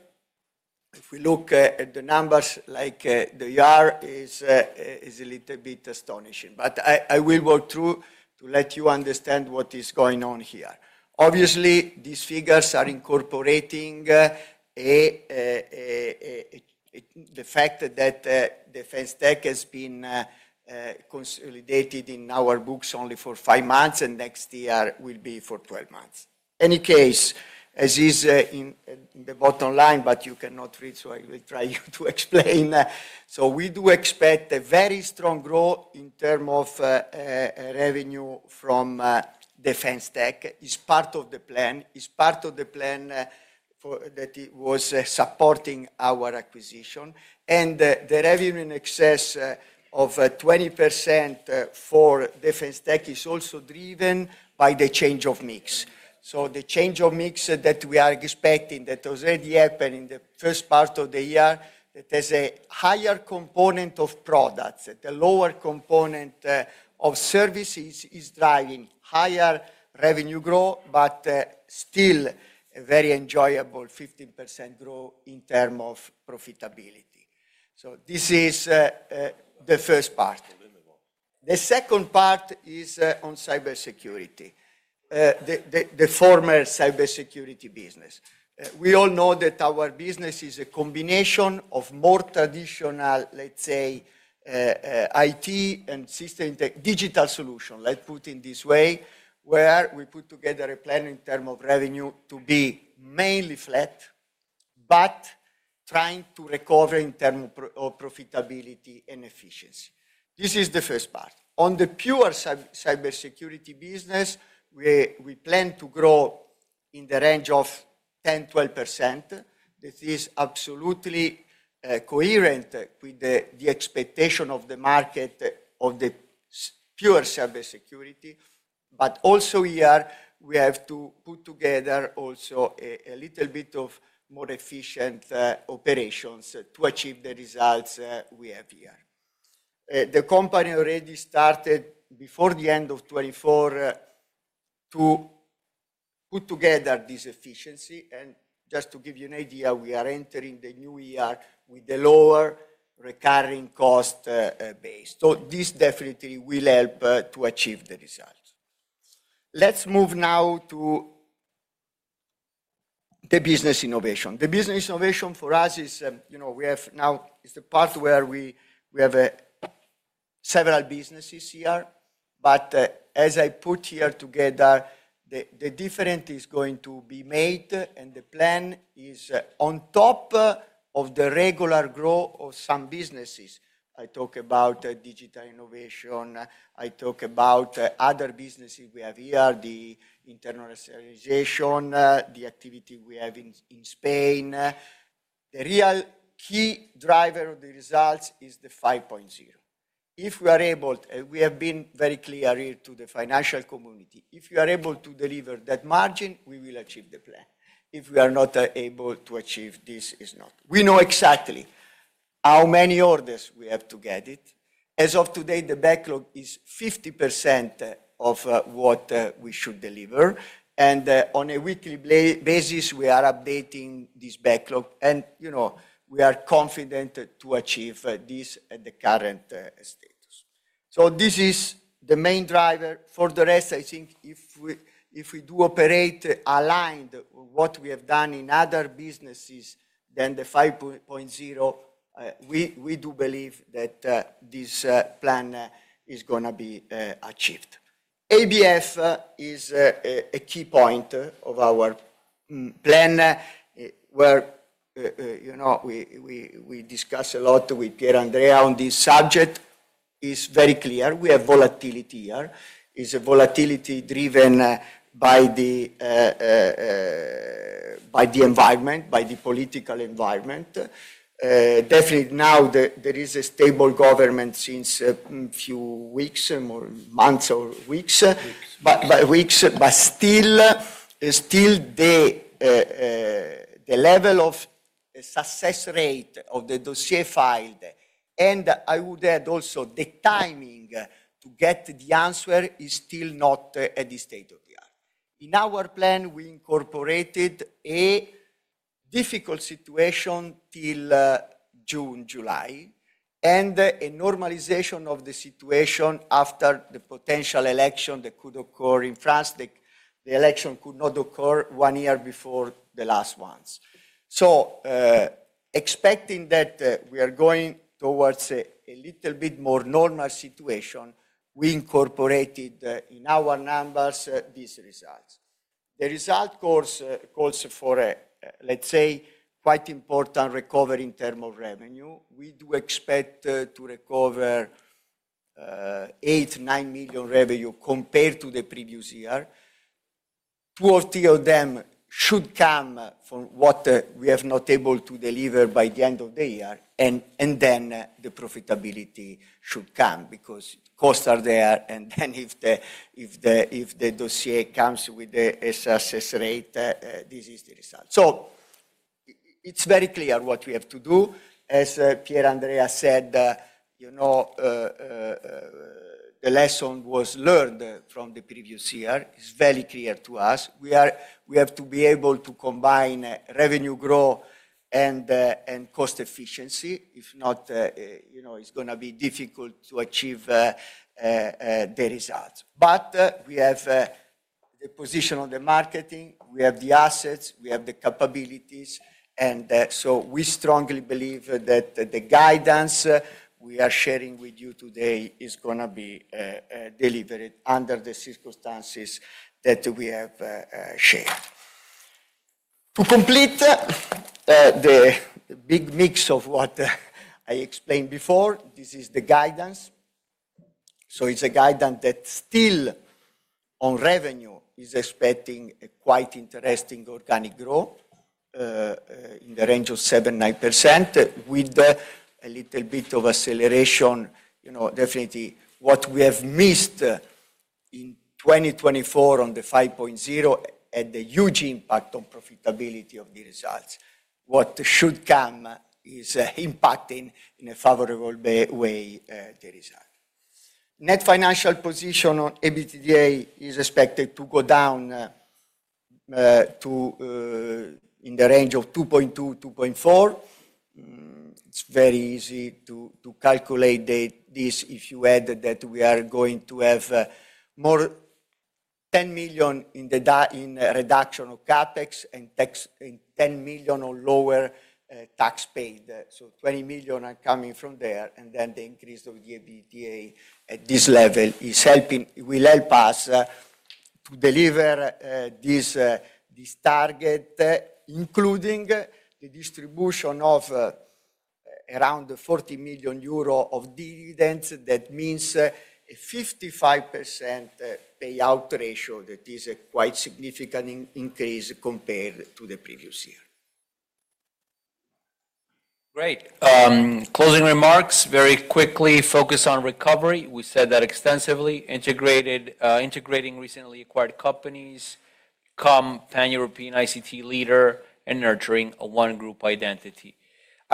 if we look at the numbers like they are, is a little bit astonishing. I will work through to let you understand what is going on here. Obviously, these figures are incorporating the fact that Defense Technology has been consolidated in our books only for five months, and next year will be for 12 months. In any case, as is in the bottom line, but you cannot read, I will try to explain. We do expect a very strong growth in terms of revenue from Defense Technology. It is part of the plan. It is part of the plan that was supporting our acquisition. The revenue in excess of 20% for Defense Technology is also driven by the change of mix. The change of mix that we are expecting that has already happened in the first part of the year, that there is a higher component of products, the lower component of services, is driving higher revenue growth, but still a very enjoyable 15% growth in terms of profitability. This is the first part. The second part is on cybersecurity, the former cybersecurity business. We all know that our business is a combination of more traditional, let's say, IT and system digital solution, let's put it this way, where we put together a plan in terms of revenue to be mainly flat, but trying to recover in terms of profitability and efficiency. This is the first part. On the pure cybersecurity business, we plan to grow in the range of 10%-12%. This is absolutely coherent with the expectation of the market of the pure cybersecurity. Also here, we have to put together also a little bit of more efficient operations to achieve the results we have here. The company already started before the end of 2024 to put together this efficiency. Just to give you an idea, we are entering the new year with the lower recurring cost base. This definitely will help to achieve the results. Let's move now to the business innovation. The business innovation for us is, you know, we have now, it's the part where we have several businesses here. As I put here together, the difference is going to be made, and the plan is on top of the regular growth of some businesses. I talk about digital innovation. I talk about other businesses we have here, the internal assetization, the activity we have in Spain. The real key driver of the results is the Industry 5.0. If we are able, and we have been very clear here to the financial community, if we are able to deliver that margin, we will achieve the plan. If we are not able to achieve, this is not. We know exactly how many orders we have to get it. As of today, the backlog is 50% of what we should deliver. On a weekly basis, we are updating this backlog. You know, we are confident to achieve this at the current status. This is the main driver. For the rest, I think if we do operate aligned with what we have done in other businesses, then the Industry 5.0, we do believe that this plan is going to be achieved. ABF is a key point of our plan where we discuss a lot with Pier Andrea on this subject. It's very clear. We have volatility here. It's a volatility driven by the environment, by the political environment. Definitely now there is a stable government since a few weeks or months or weeks, but still the level of success rate of the dossier filed, and I would add also the timing to get the answer is still not at the state of the art. In our plan, we incorporated a difficult situation till June, July, and a normalization of the situation after the potential election that could occur in France. The election could not occur one year before the last ones. Expecting that we are going towards a little bit more normal situation, we incorporated in our numbers these results. The result calls for, let's say, quite important recovery in terms of revenue. We do expect to recover 8 million to 9 million revenue compared to the previous year. Two or three of them should come from what we have not able to deliver by the end of the year, and the profitability should come because costs are there. If the dossier comes with the assessed rate, this is the result. It is very clear what we have to do. As Pier Andrea said, you know, the lesson was learned from the previous year. It is very clear to us. We have to be able to combine revenue growth and cost efficiency. If not, you know, it's going to be difficult to achieve the results. We have the position on the marketing. We have the assets. We have the capabilities. We strongly believe that the guidance we are sharing with you today is going to be delivered under the circumstances that we have shared. To complete the big mix of what I explained before, this is the guidance. It's a guidance that still on revenue is expecting a quite interesting organic growth in the range of 7%-9% with a little bit of acceleration. You know, definitely what we have missed in 2024 on the Industry 5.0 had a huge impact on profitability of the results. What should come is impacting in a favorable way the result. Net financial position on EBITDA is expected to go down to in the range of 2.2%-2.4%. It's very easy to calculate this if you add that we are going to have more 10 million in the reduction of capex and 10 million or lower tax paid. 20 million are coming from there. The increase of the EBITDA at this level will help us to deliver this target, including the distribution of around 40 million euro of dividends. That means a 55% payout ratio that is a quite significant increase compared to the previous year. Great. Closing remarks, very quickly focus on recovery. We said that extensively. Integrating recently acquired companies, COM, Pan-European ICT leader, and nurturing a one-group identity.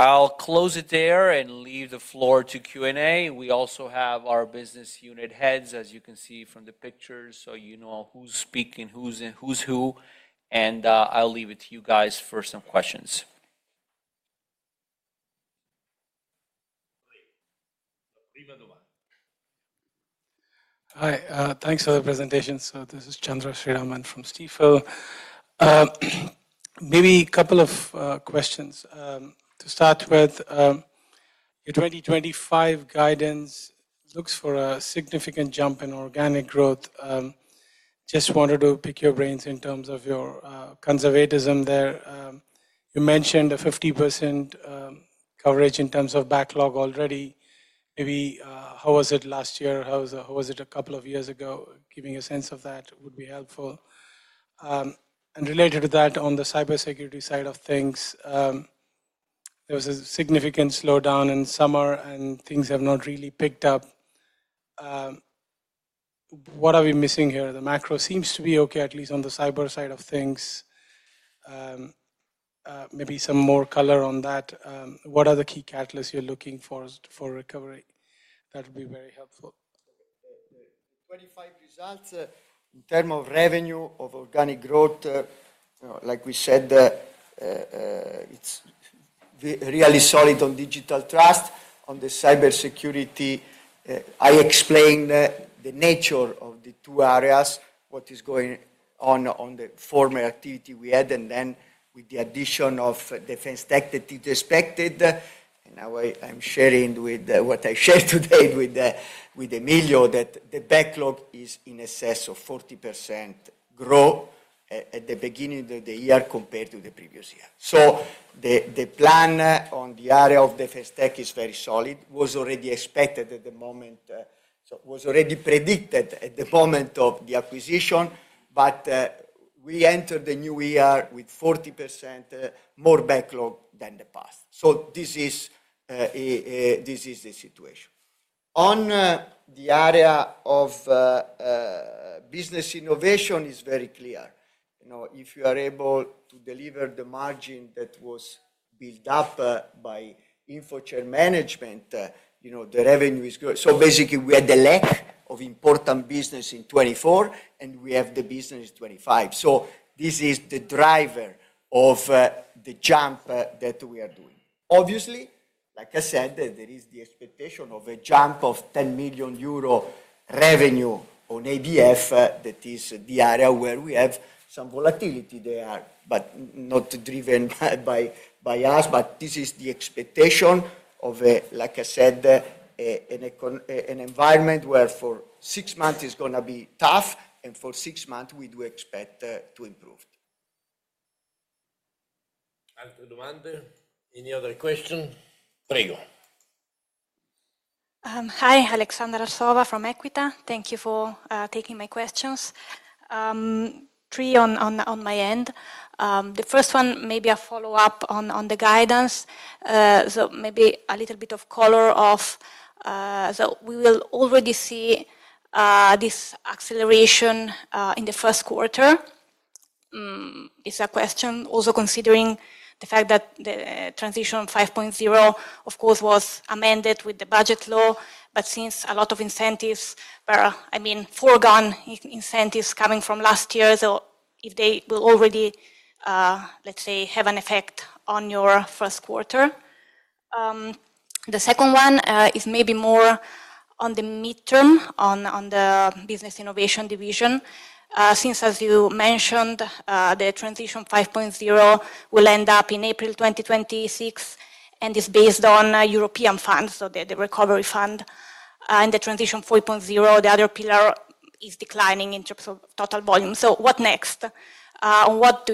I'll close it there and leave the floor to Q&A. We also have our business unit heads, as you can see from the pictures, so you know who's speaking, who's who. I'll leave it to you guys for some questions. Hi, thanks for the presentation. This is Chandra Sriraman from Stifel. Maybe a couple of questions. To start with, your 2025 guidance looks for a significant jump in organic growth. Just wanted to pick your brains in terms of your conservatism there. You mentioned a 50% coverage in terms of backlog already. Maybe how was it last year? How was it a couple of years ago? Giving a sense of that would be helpful. Related to that, on the cybersecurity side of things, there was a significant slowdown in summer, and things have not really picked up. What are we missing here? The macro seems to be okay, at least on the cyber side of things. Maybe some more color on that. What are the key catalysts you're looking for for recovery? That would be very helpful. The 25 results in terms of revenue of organic growth, like we said, it's really solid on Digital Trust. On the cybersecurity, I explained the nature of the two areas, what is going on on the former activity we had, and then with the addition of Defense Technology that is expected. Now I'm sharing with what I shared today with Emilio that the backlog is in excess of 40% growth at the beginning of the year compared to the previous year. The plan on the area of Defense Technology is very solid. It was already expected at the moment, so it was already predicted at the moment of the acquisition. We entered the new year with 40% more backlog than the past. This is the situation. On the area of business innovation, it's very clear. You know, if you are able to deliver the margin that was built up by InfoCert management, you know, the revenue is good. Basically, we had the lack of important business in 2024, and we have the business in 2025. This is the driver of the jump that we are doing. Obviously, like I said, there is the expectation of a jump of 10 million euro revenue on ABF that is the area where we have some volatility there, but not driven by us. This is the expectation of, like I said, an environment where for six months it's going to be tough, and for six months we do expect to improve. Any other questions? Hi, Alexandra Sova from Equita. Thank you for taking my questions. Three on my end. The first one, maybe a follow-up on the guidance. Maybe a little bit of color of, so we will already see this acceleration in the first quarter. It's a question also considering the fact that the transition Industry 5.0, of course, was amended with the budget law. Since a lot of incentives were, I mean, foregone incentives coming from last year, if they will already, let's say, have an effect on your first quarter. The second one is maybe more on the midterm on the business innovation division. Since, as you mentioned, the transition Industry 5.0 will end up in April 2026 and is based on European funds, so the recovery fund and the transition Industry 4.0, the other pillar, is declining in terms of total volume. What next? Why do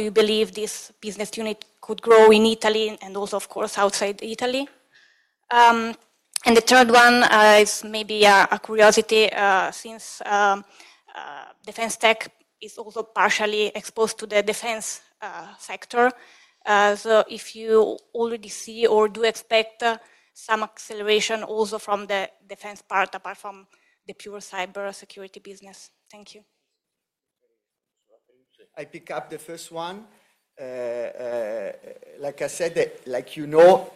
you believe this business unit could grow in Italy and also, of course, outside Italy? The third one is maybe a curiosity since Defense Technology is also partially exposed to the defense sector. If you already see or do expect some acceleration also from the defense part apart from the pure cybersecurity business. Thank you. I pick up the first one. Like I said, like you know,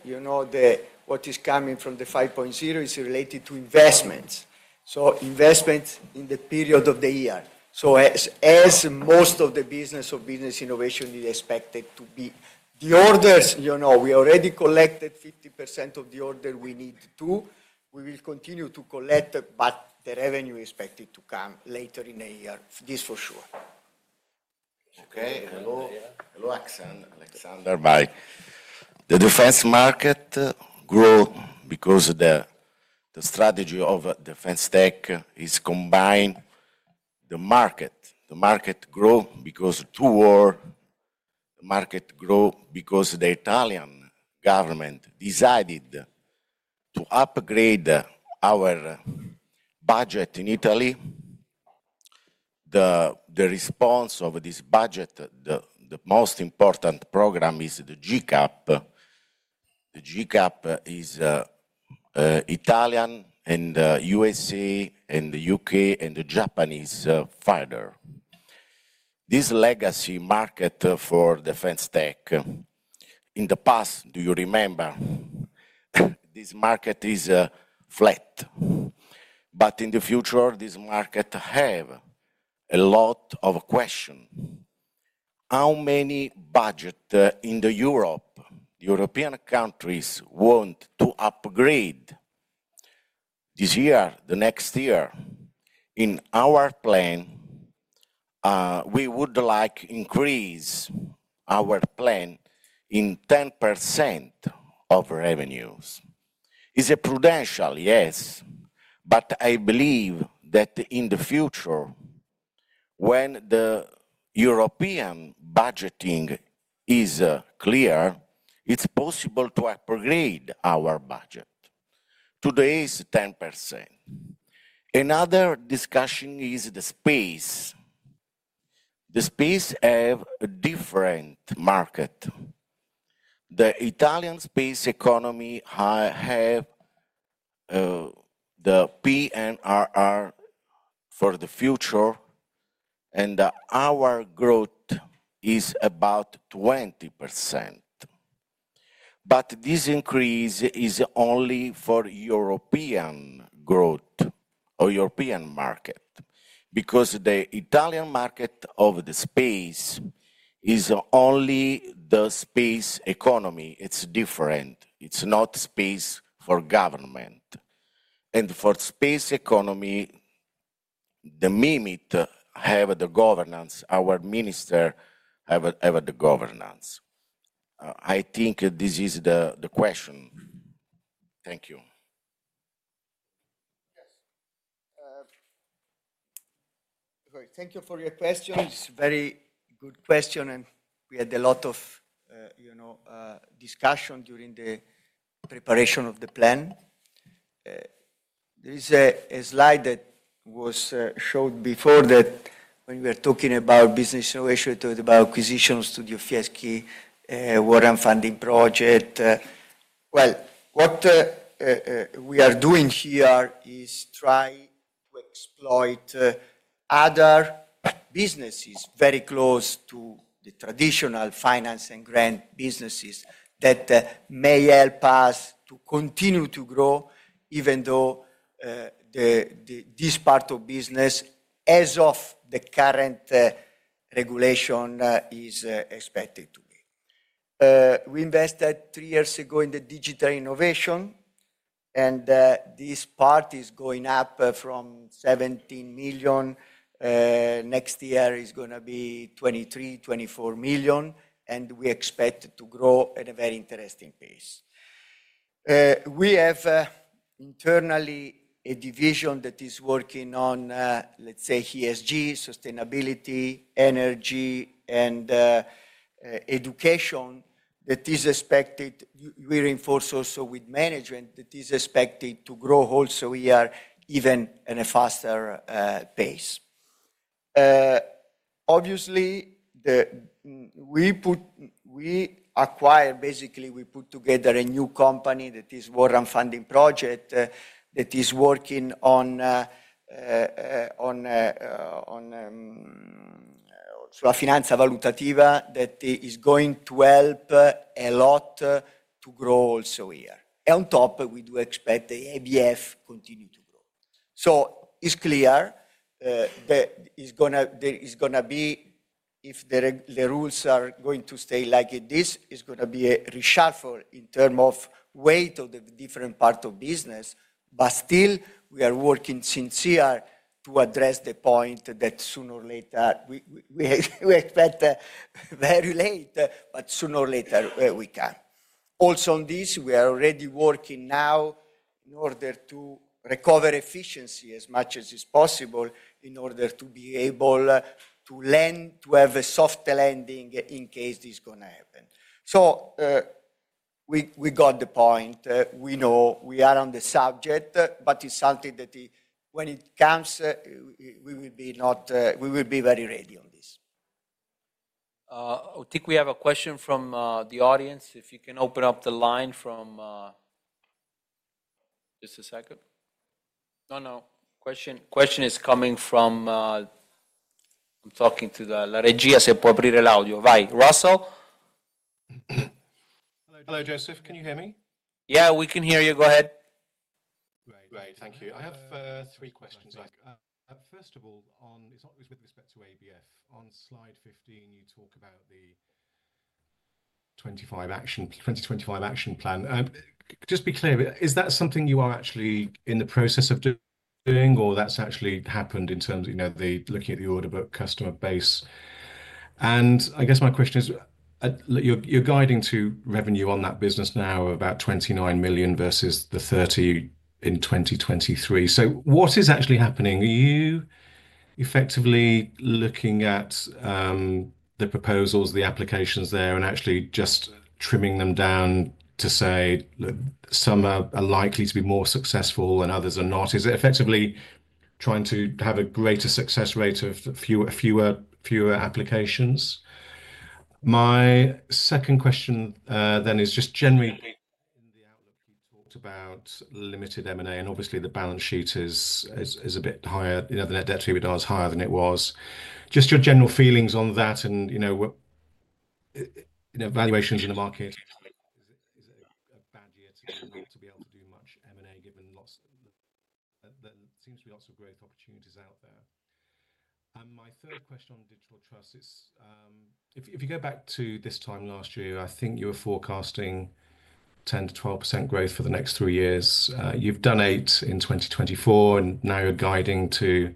what is coming from the Industry 5.0 is related to investments. Investments in the period of the year. As most of the business of business innovation is expected to be, the orders, you know, we already collected 50% of the order we need to. We will continue to collect, but the revenue is expected to come later in the year. This for sure. Okay. Hello. Hello, Alexandra. The defense market grew because the strategy of Defense Technology is combine the market. The market grew because of two wars. The market grew because the Italian government decided to upgrade our budget in Italy. The response of this budget, the most important program is the GCAP. The GCAP is Italian and U.S. and the U.K. and the Japanese fighter. This legacy market for Defense Technology in the past, do you remember? This market is flat. In the future, this market has a lot of questions. How many budgets in Europe, European countries want to upgrade this year, the next year? In our plan, we would like to increase our plan in 10% of revenues. It's a prudential, yes. I believe that in the future, when the European budgeting is clear, it's possible to upgrade our budget. Today is 10%. Another discussion is the space. The space has a different market. The Italian space economy has the PNRR for the future, and our growth is about 20%. This increase is only for European growth or European market because the Italian market of the space is only the space economy. It's different. It's not space for government. For space economy, the MIMIT has the governance. Our minister has the governance. I think this is the question. Thank you. Yes. Thank you for your question. It's a very good question, and we had a lot of, you know, discussion during the preparation of the plan. There is a slide that was showed before that when we were talking about business innovation, talked about acquisitions to the fiscal warrant and funding project. What we are doing here is trying to exploit other businesses very close to the traditional finance and grant businesses that may help us to continue to grow, even though this part of business, as of the current regulation, is expected to be. We invested three years ago in the digital innovation, and this part is going up from 17 million. Next year is going to be 23 million, 24 million, and we expect to grow at a very interesting pace. We have internally a division that is working on, let's say, ESG, sustainability, energy, and education that is expected. We reinforce also with management that is expected to grow also here even at a faster pace. Obviously, we acquire, basically, we put together a new company that is a Warrant funding project that is working on Finanza Valutativa that is going to help a lot to grow also here. On top, we do expect the ABF Group to continue to grow. It is clear that it's going to be, if the rules are going to stay like this, it's going to be a reshuffle in terms of weight of the different parts of business. Still, we are working sincere to address the point that sooner or later, we expect very late, but sooner or later we can. Also on this, we are already working now in order to recover efficiency as much as possible in order to be able to have a soft landing in case this is going to happen. We got the point. We know we are on the subject, but it's something that when it comes, we will be very ready on this. I think we have a question from the audience. If you can open up the line for just a second. No, no. Question is coming from, I am talking to the Reggia. Vai, Russell. Hello, Josef. Can you hear me? Yeah, we can hear you. Go ahead. Right, right. Thank you. I have three questions. First of all, it's with respect to ABF. On slide 15, you talk about the 2025 action plan. Just be clear, is that something you are actually in the process of doing or that's actually happened in terms of looking at the order book customer base? I guess my question is, you're guiding to revenue on that business now of about 29 million versus the 30 million in 2023. What is actually happening? Are you effectively looking at the proposals, the applications there, and actually just trimming them down to say some are likely to be more successful and others are not? Is it effectively trying to have a greater success rate of fewer applications? My second question then is just generally in the outlook, you talked about limited M&A and obviously the balance sheet is a bit higher than it was. Just your general feelings on that and evaluations in the market. Is it a bad year to be able to do much M&A given there seems to be lots of growth opportunities out there? My third question on Digital Trust is, if you go back to this time last year, I think you were forecasting 10% to 12% growth for the next three years. You've done 8% in 2024 and now you're guiding to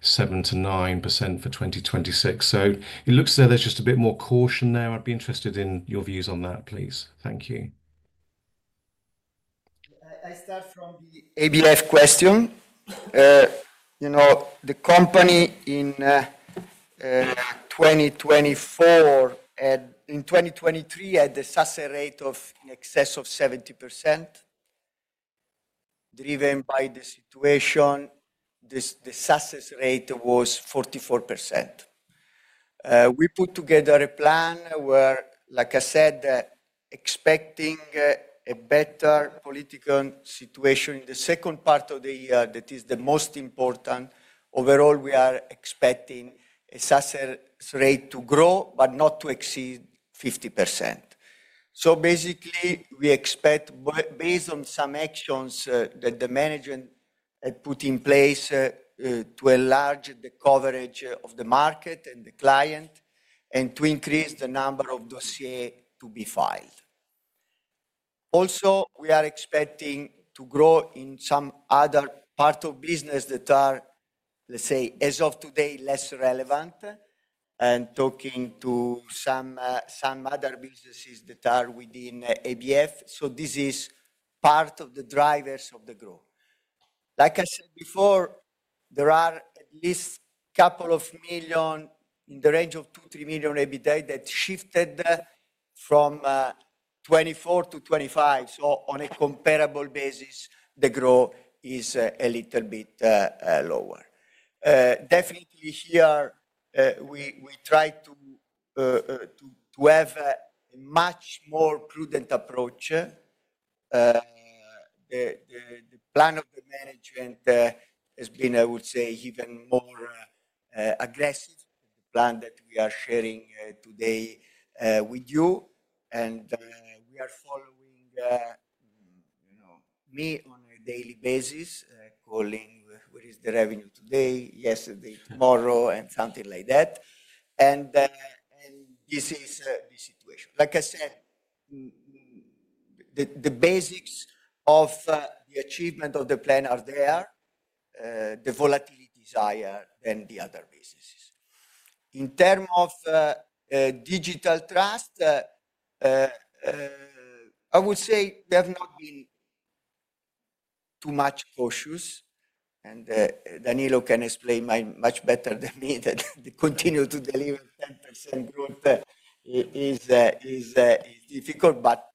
7% to 9% for 2026. It looks as though there's just a bit more caution there. I'd be interested in your views on that, please. Thank you. I start from the ABF question. The company in 2024, in 2023, had a success rate of in excess of 70%. Driven by the situation, the success rate was 44%. We put together a plan where, like I said, expecting a better political situation in the second part of the year that is the most important. Overall, we are expecting a success rate to grow, but not to exceed 50%. Basically, we expect, based on some actions that the management had put in place to enlarge the coverage of the market and the client and to increase the number of dossiers to be filed. Also, we are expecting to grow in some other parts of business that are, let's say, as of today, less relevant and talking to some other businesses that are within ABF. This is part of the drivers of the growth. Like I said before, there are at least a couple of million in the range of 2 million-3 million every day that shifted from 2024 to 2025. On a comparable basis, the growth is a little bit lower. Definitely here, we try to have a much more prudent approach. The plan of the management has been, I would say, even more aggressive than the plan that we are sharing today with you. We are following me on a daily basis, calling, what is the revenue today, yesterday, tomorrow, and something like that. This is the situation. Like I said, the basics of the achievement of the plan are there. The volatility is higher than the other businesses. In terms of Digital Trust, I would say we have not been too much cautious. Danilo can explain much better than me that to continue to deliver 10% growth is difficult, but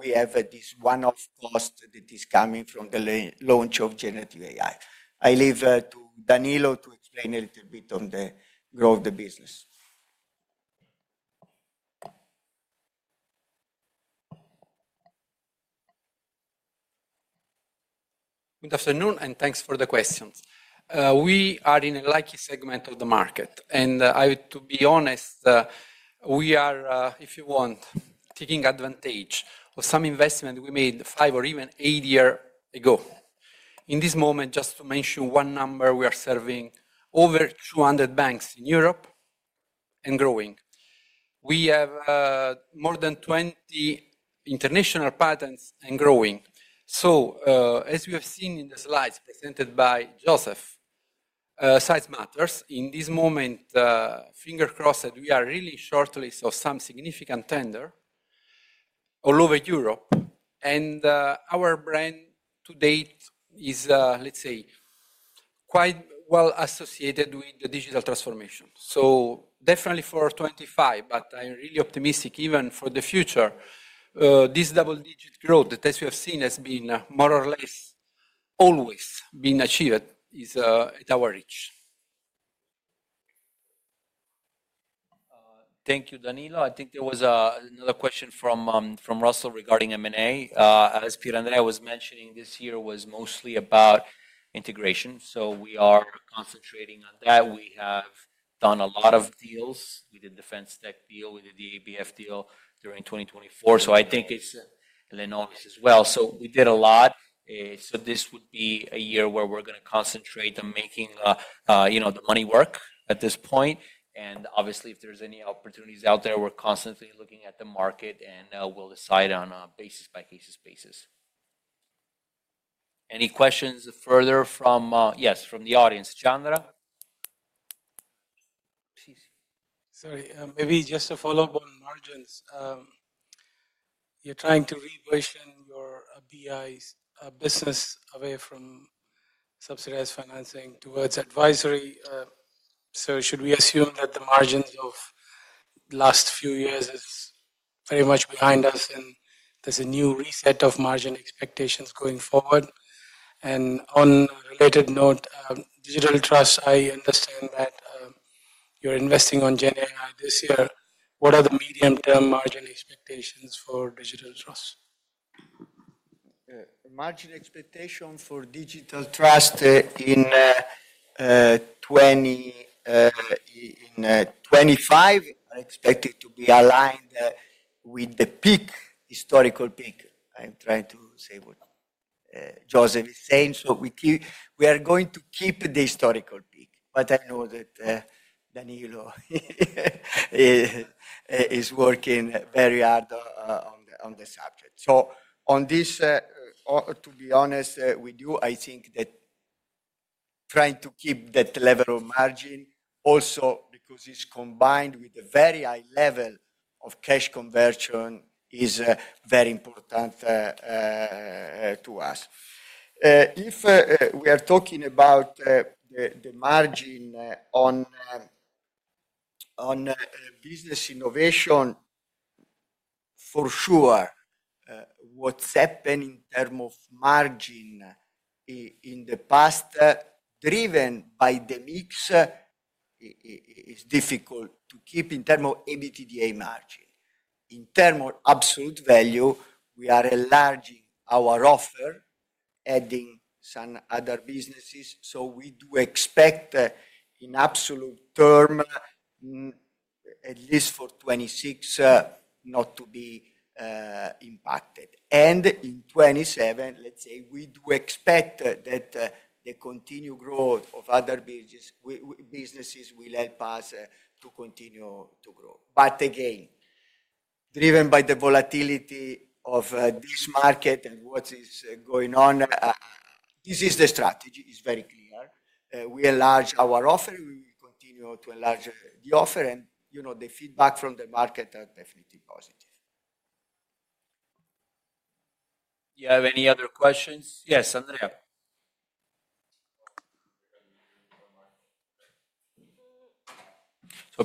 we have this one-off cost that is coming from the launch of generative AI. I leave to Danilo to explain a little bit on the growth of the business. Good afternoon and thanks for the questions. We are in a likely segment of the market. To be honest, we are, if you want, taking advantage of some investment we made five or even eight years ago. In this moment, just to mention one number, we are serving over 200 banks in Europe and growing. We have more than 20 international patents and growing. As we have seen in the slides presented by Josef, size matters. In this moment, fingers crossed, we are really shortlisted for some significant tender all over Europe. Our brand to date is, let's say, quite well associated with the digital transformation. Definitely for 2025, but I'm really optimistic even for the future. This double-digit growth that we have seen has been more or less always been achieved is at our reach. Thank you, Danilo. I think there was another question from Russell regarding M&A. As Pier Andrea was mentioning, this year was mostly about integration. We are concentrating on that. We have done a lot of deals. We did the Defense Technology deal, we did the ABF deal during 2024. I think it's Lenovis as well. We did a lot. This would be a year where we're going to concentrate on making the money work at this point. Obviously, if there's any opportunities out there, we're constantly looking at the market and we'll decide on a basis by cases basis. Any questions further from, yes, from the audience? Chandra? Sorry, maybe just a follow-up on margins. You're trying to reversion your BI's business away from subsidized financing towards advisory. Should we assume that the margins of the last few years is very much behind us and there's a new reset of margin expectations going forward? On a related note, Digital Trust, I understand that you're investing on GenAI this year. What are the medium-term margin expectations for Digital Trust? Margin expectations for Digital Trust in 2025 are expected to be aligned with the historical peak. I'm trying to say what Josef is saying. We are going to keep the historical peak, but I know that Danilo is working very hard on the subject. To be honest with you, I think that trying to keep that level of margin, also because it's combined with a very high level of cash conversion, is very important to us. If we are talking about the margin on business innovation, for sure, what's happened in terms of margin in the past, driven by the mix, is difficult to keep in terms of EBITDA margin. In terms of absolute value, we are enlarging our offer, adding some other businesses. We do expect in absolute term, at least for 2026, not to be impacted. In 2027, we do expect that the continued growth of other businesses will help us to continue to grow. Again, driven by the volatility of this market and what is going on, this is the strategy. It's very clear. We enlarge our offer. We continue to enlarge the offer. The feedback from the market are definitely positive. Do you have any other questions? Yes, Andrea.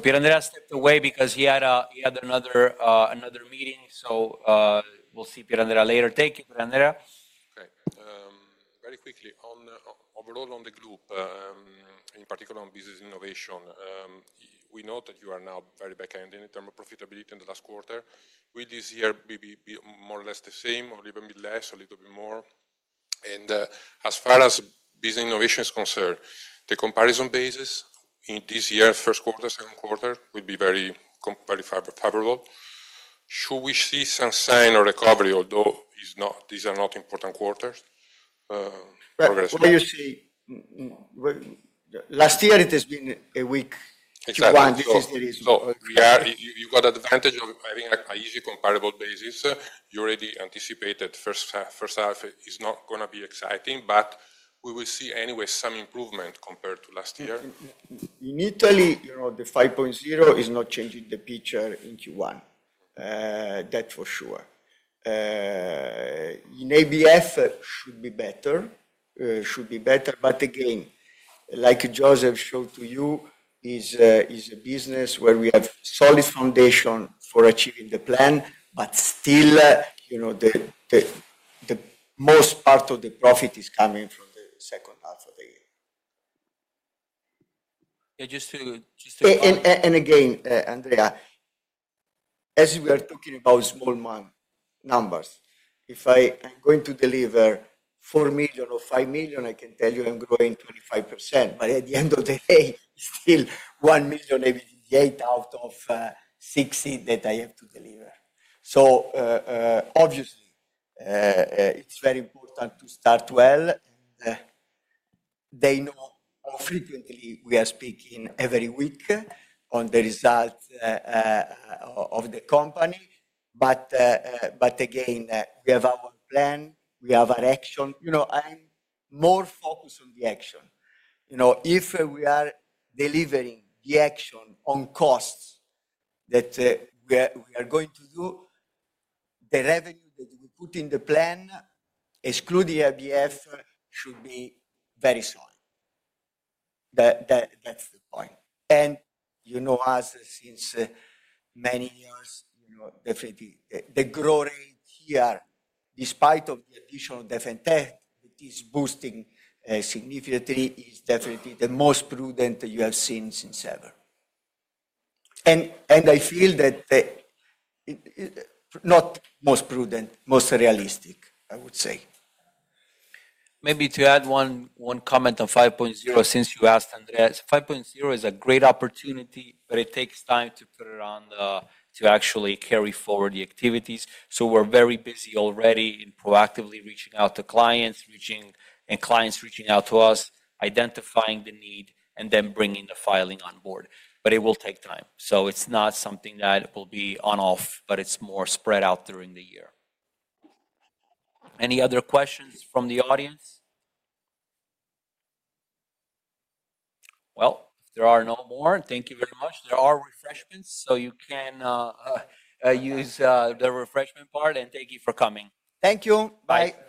Pierre-André has stepped away because he had another meeting. We will see Pierre-André later. Thank you, Pierre-André. Very quickly, overall on the group, in particular on business innovation, we know that you are now very backhanded in terms of profitability in the last quarter. Will this year be more or less the same or even be less, a little bit more? As far as business innovation is concerned, the comparison basis in this year, first quarter, second quarter, will be very favorable. Should we see some sign of recovery, although these are not important quarters? What do you see? Last year, it has been a weak Q1. This is the reason. You got advantage of having an easy comparable basis. You already anticipated first half is not going to be exciting, but we will see anyway some improvement compared to last year. In Italy, the Industry 5.0 is not changing the picture in Q1. That is for sure. In ABF, should be better. Should be better. Like Josef showed to you, is a business where we have a solid foundation for achieving the plan, but still, the most part of the profit is coming from the second half of the year. Again, Andrea, as we are talking about small numbers, if I am going to deliver 4 million or 5 million, I can tell you I am growing 25%. At the end of the day, still 1 million EBITDA out of 60 million that I have to deliver. Obviously, it is very important to start well. They know how frequently we are speaking every week on the result of the company. Again, we have our plan. We have our action. I'm more focused on the action. If we are delivering the action on costs that we are going to do, the revenue that we put in the plan, excluding ABF, should be very solid. That's the point. As since many years, definitely the growth rate here, despite the additional Defense Technology that is boosting significantly, is definitely the most prudent you have seen since ever. I feel that not most prudent, most realistic, I would say. Maybe to add one comment on Industry 5.0, since you asked Andrea, Industry 5.0 is a great opportunity, but it takes time to put around to actually carry forward the activities. We are very busy already in proactively reaching out to clients and clients reaching out to us, identifying the need, and then bringing the filing on board. It will take time. It is not something that will be on off, but it is more spread out during the year. Any other questions from the audience? If there are no more, thank you very much. There are refreshments, so you can use the refreshment part and thank you for coming. Thank you. Bye.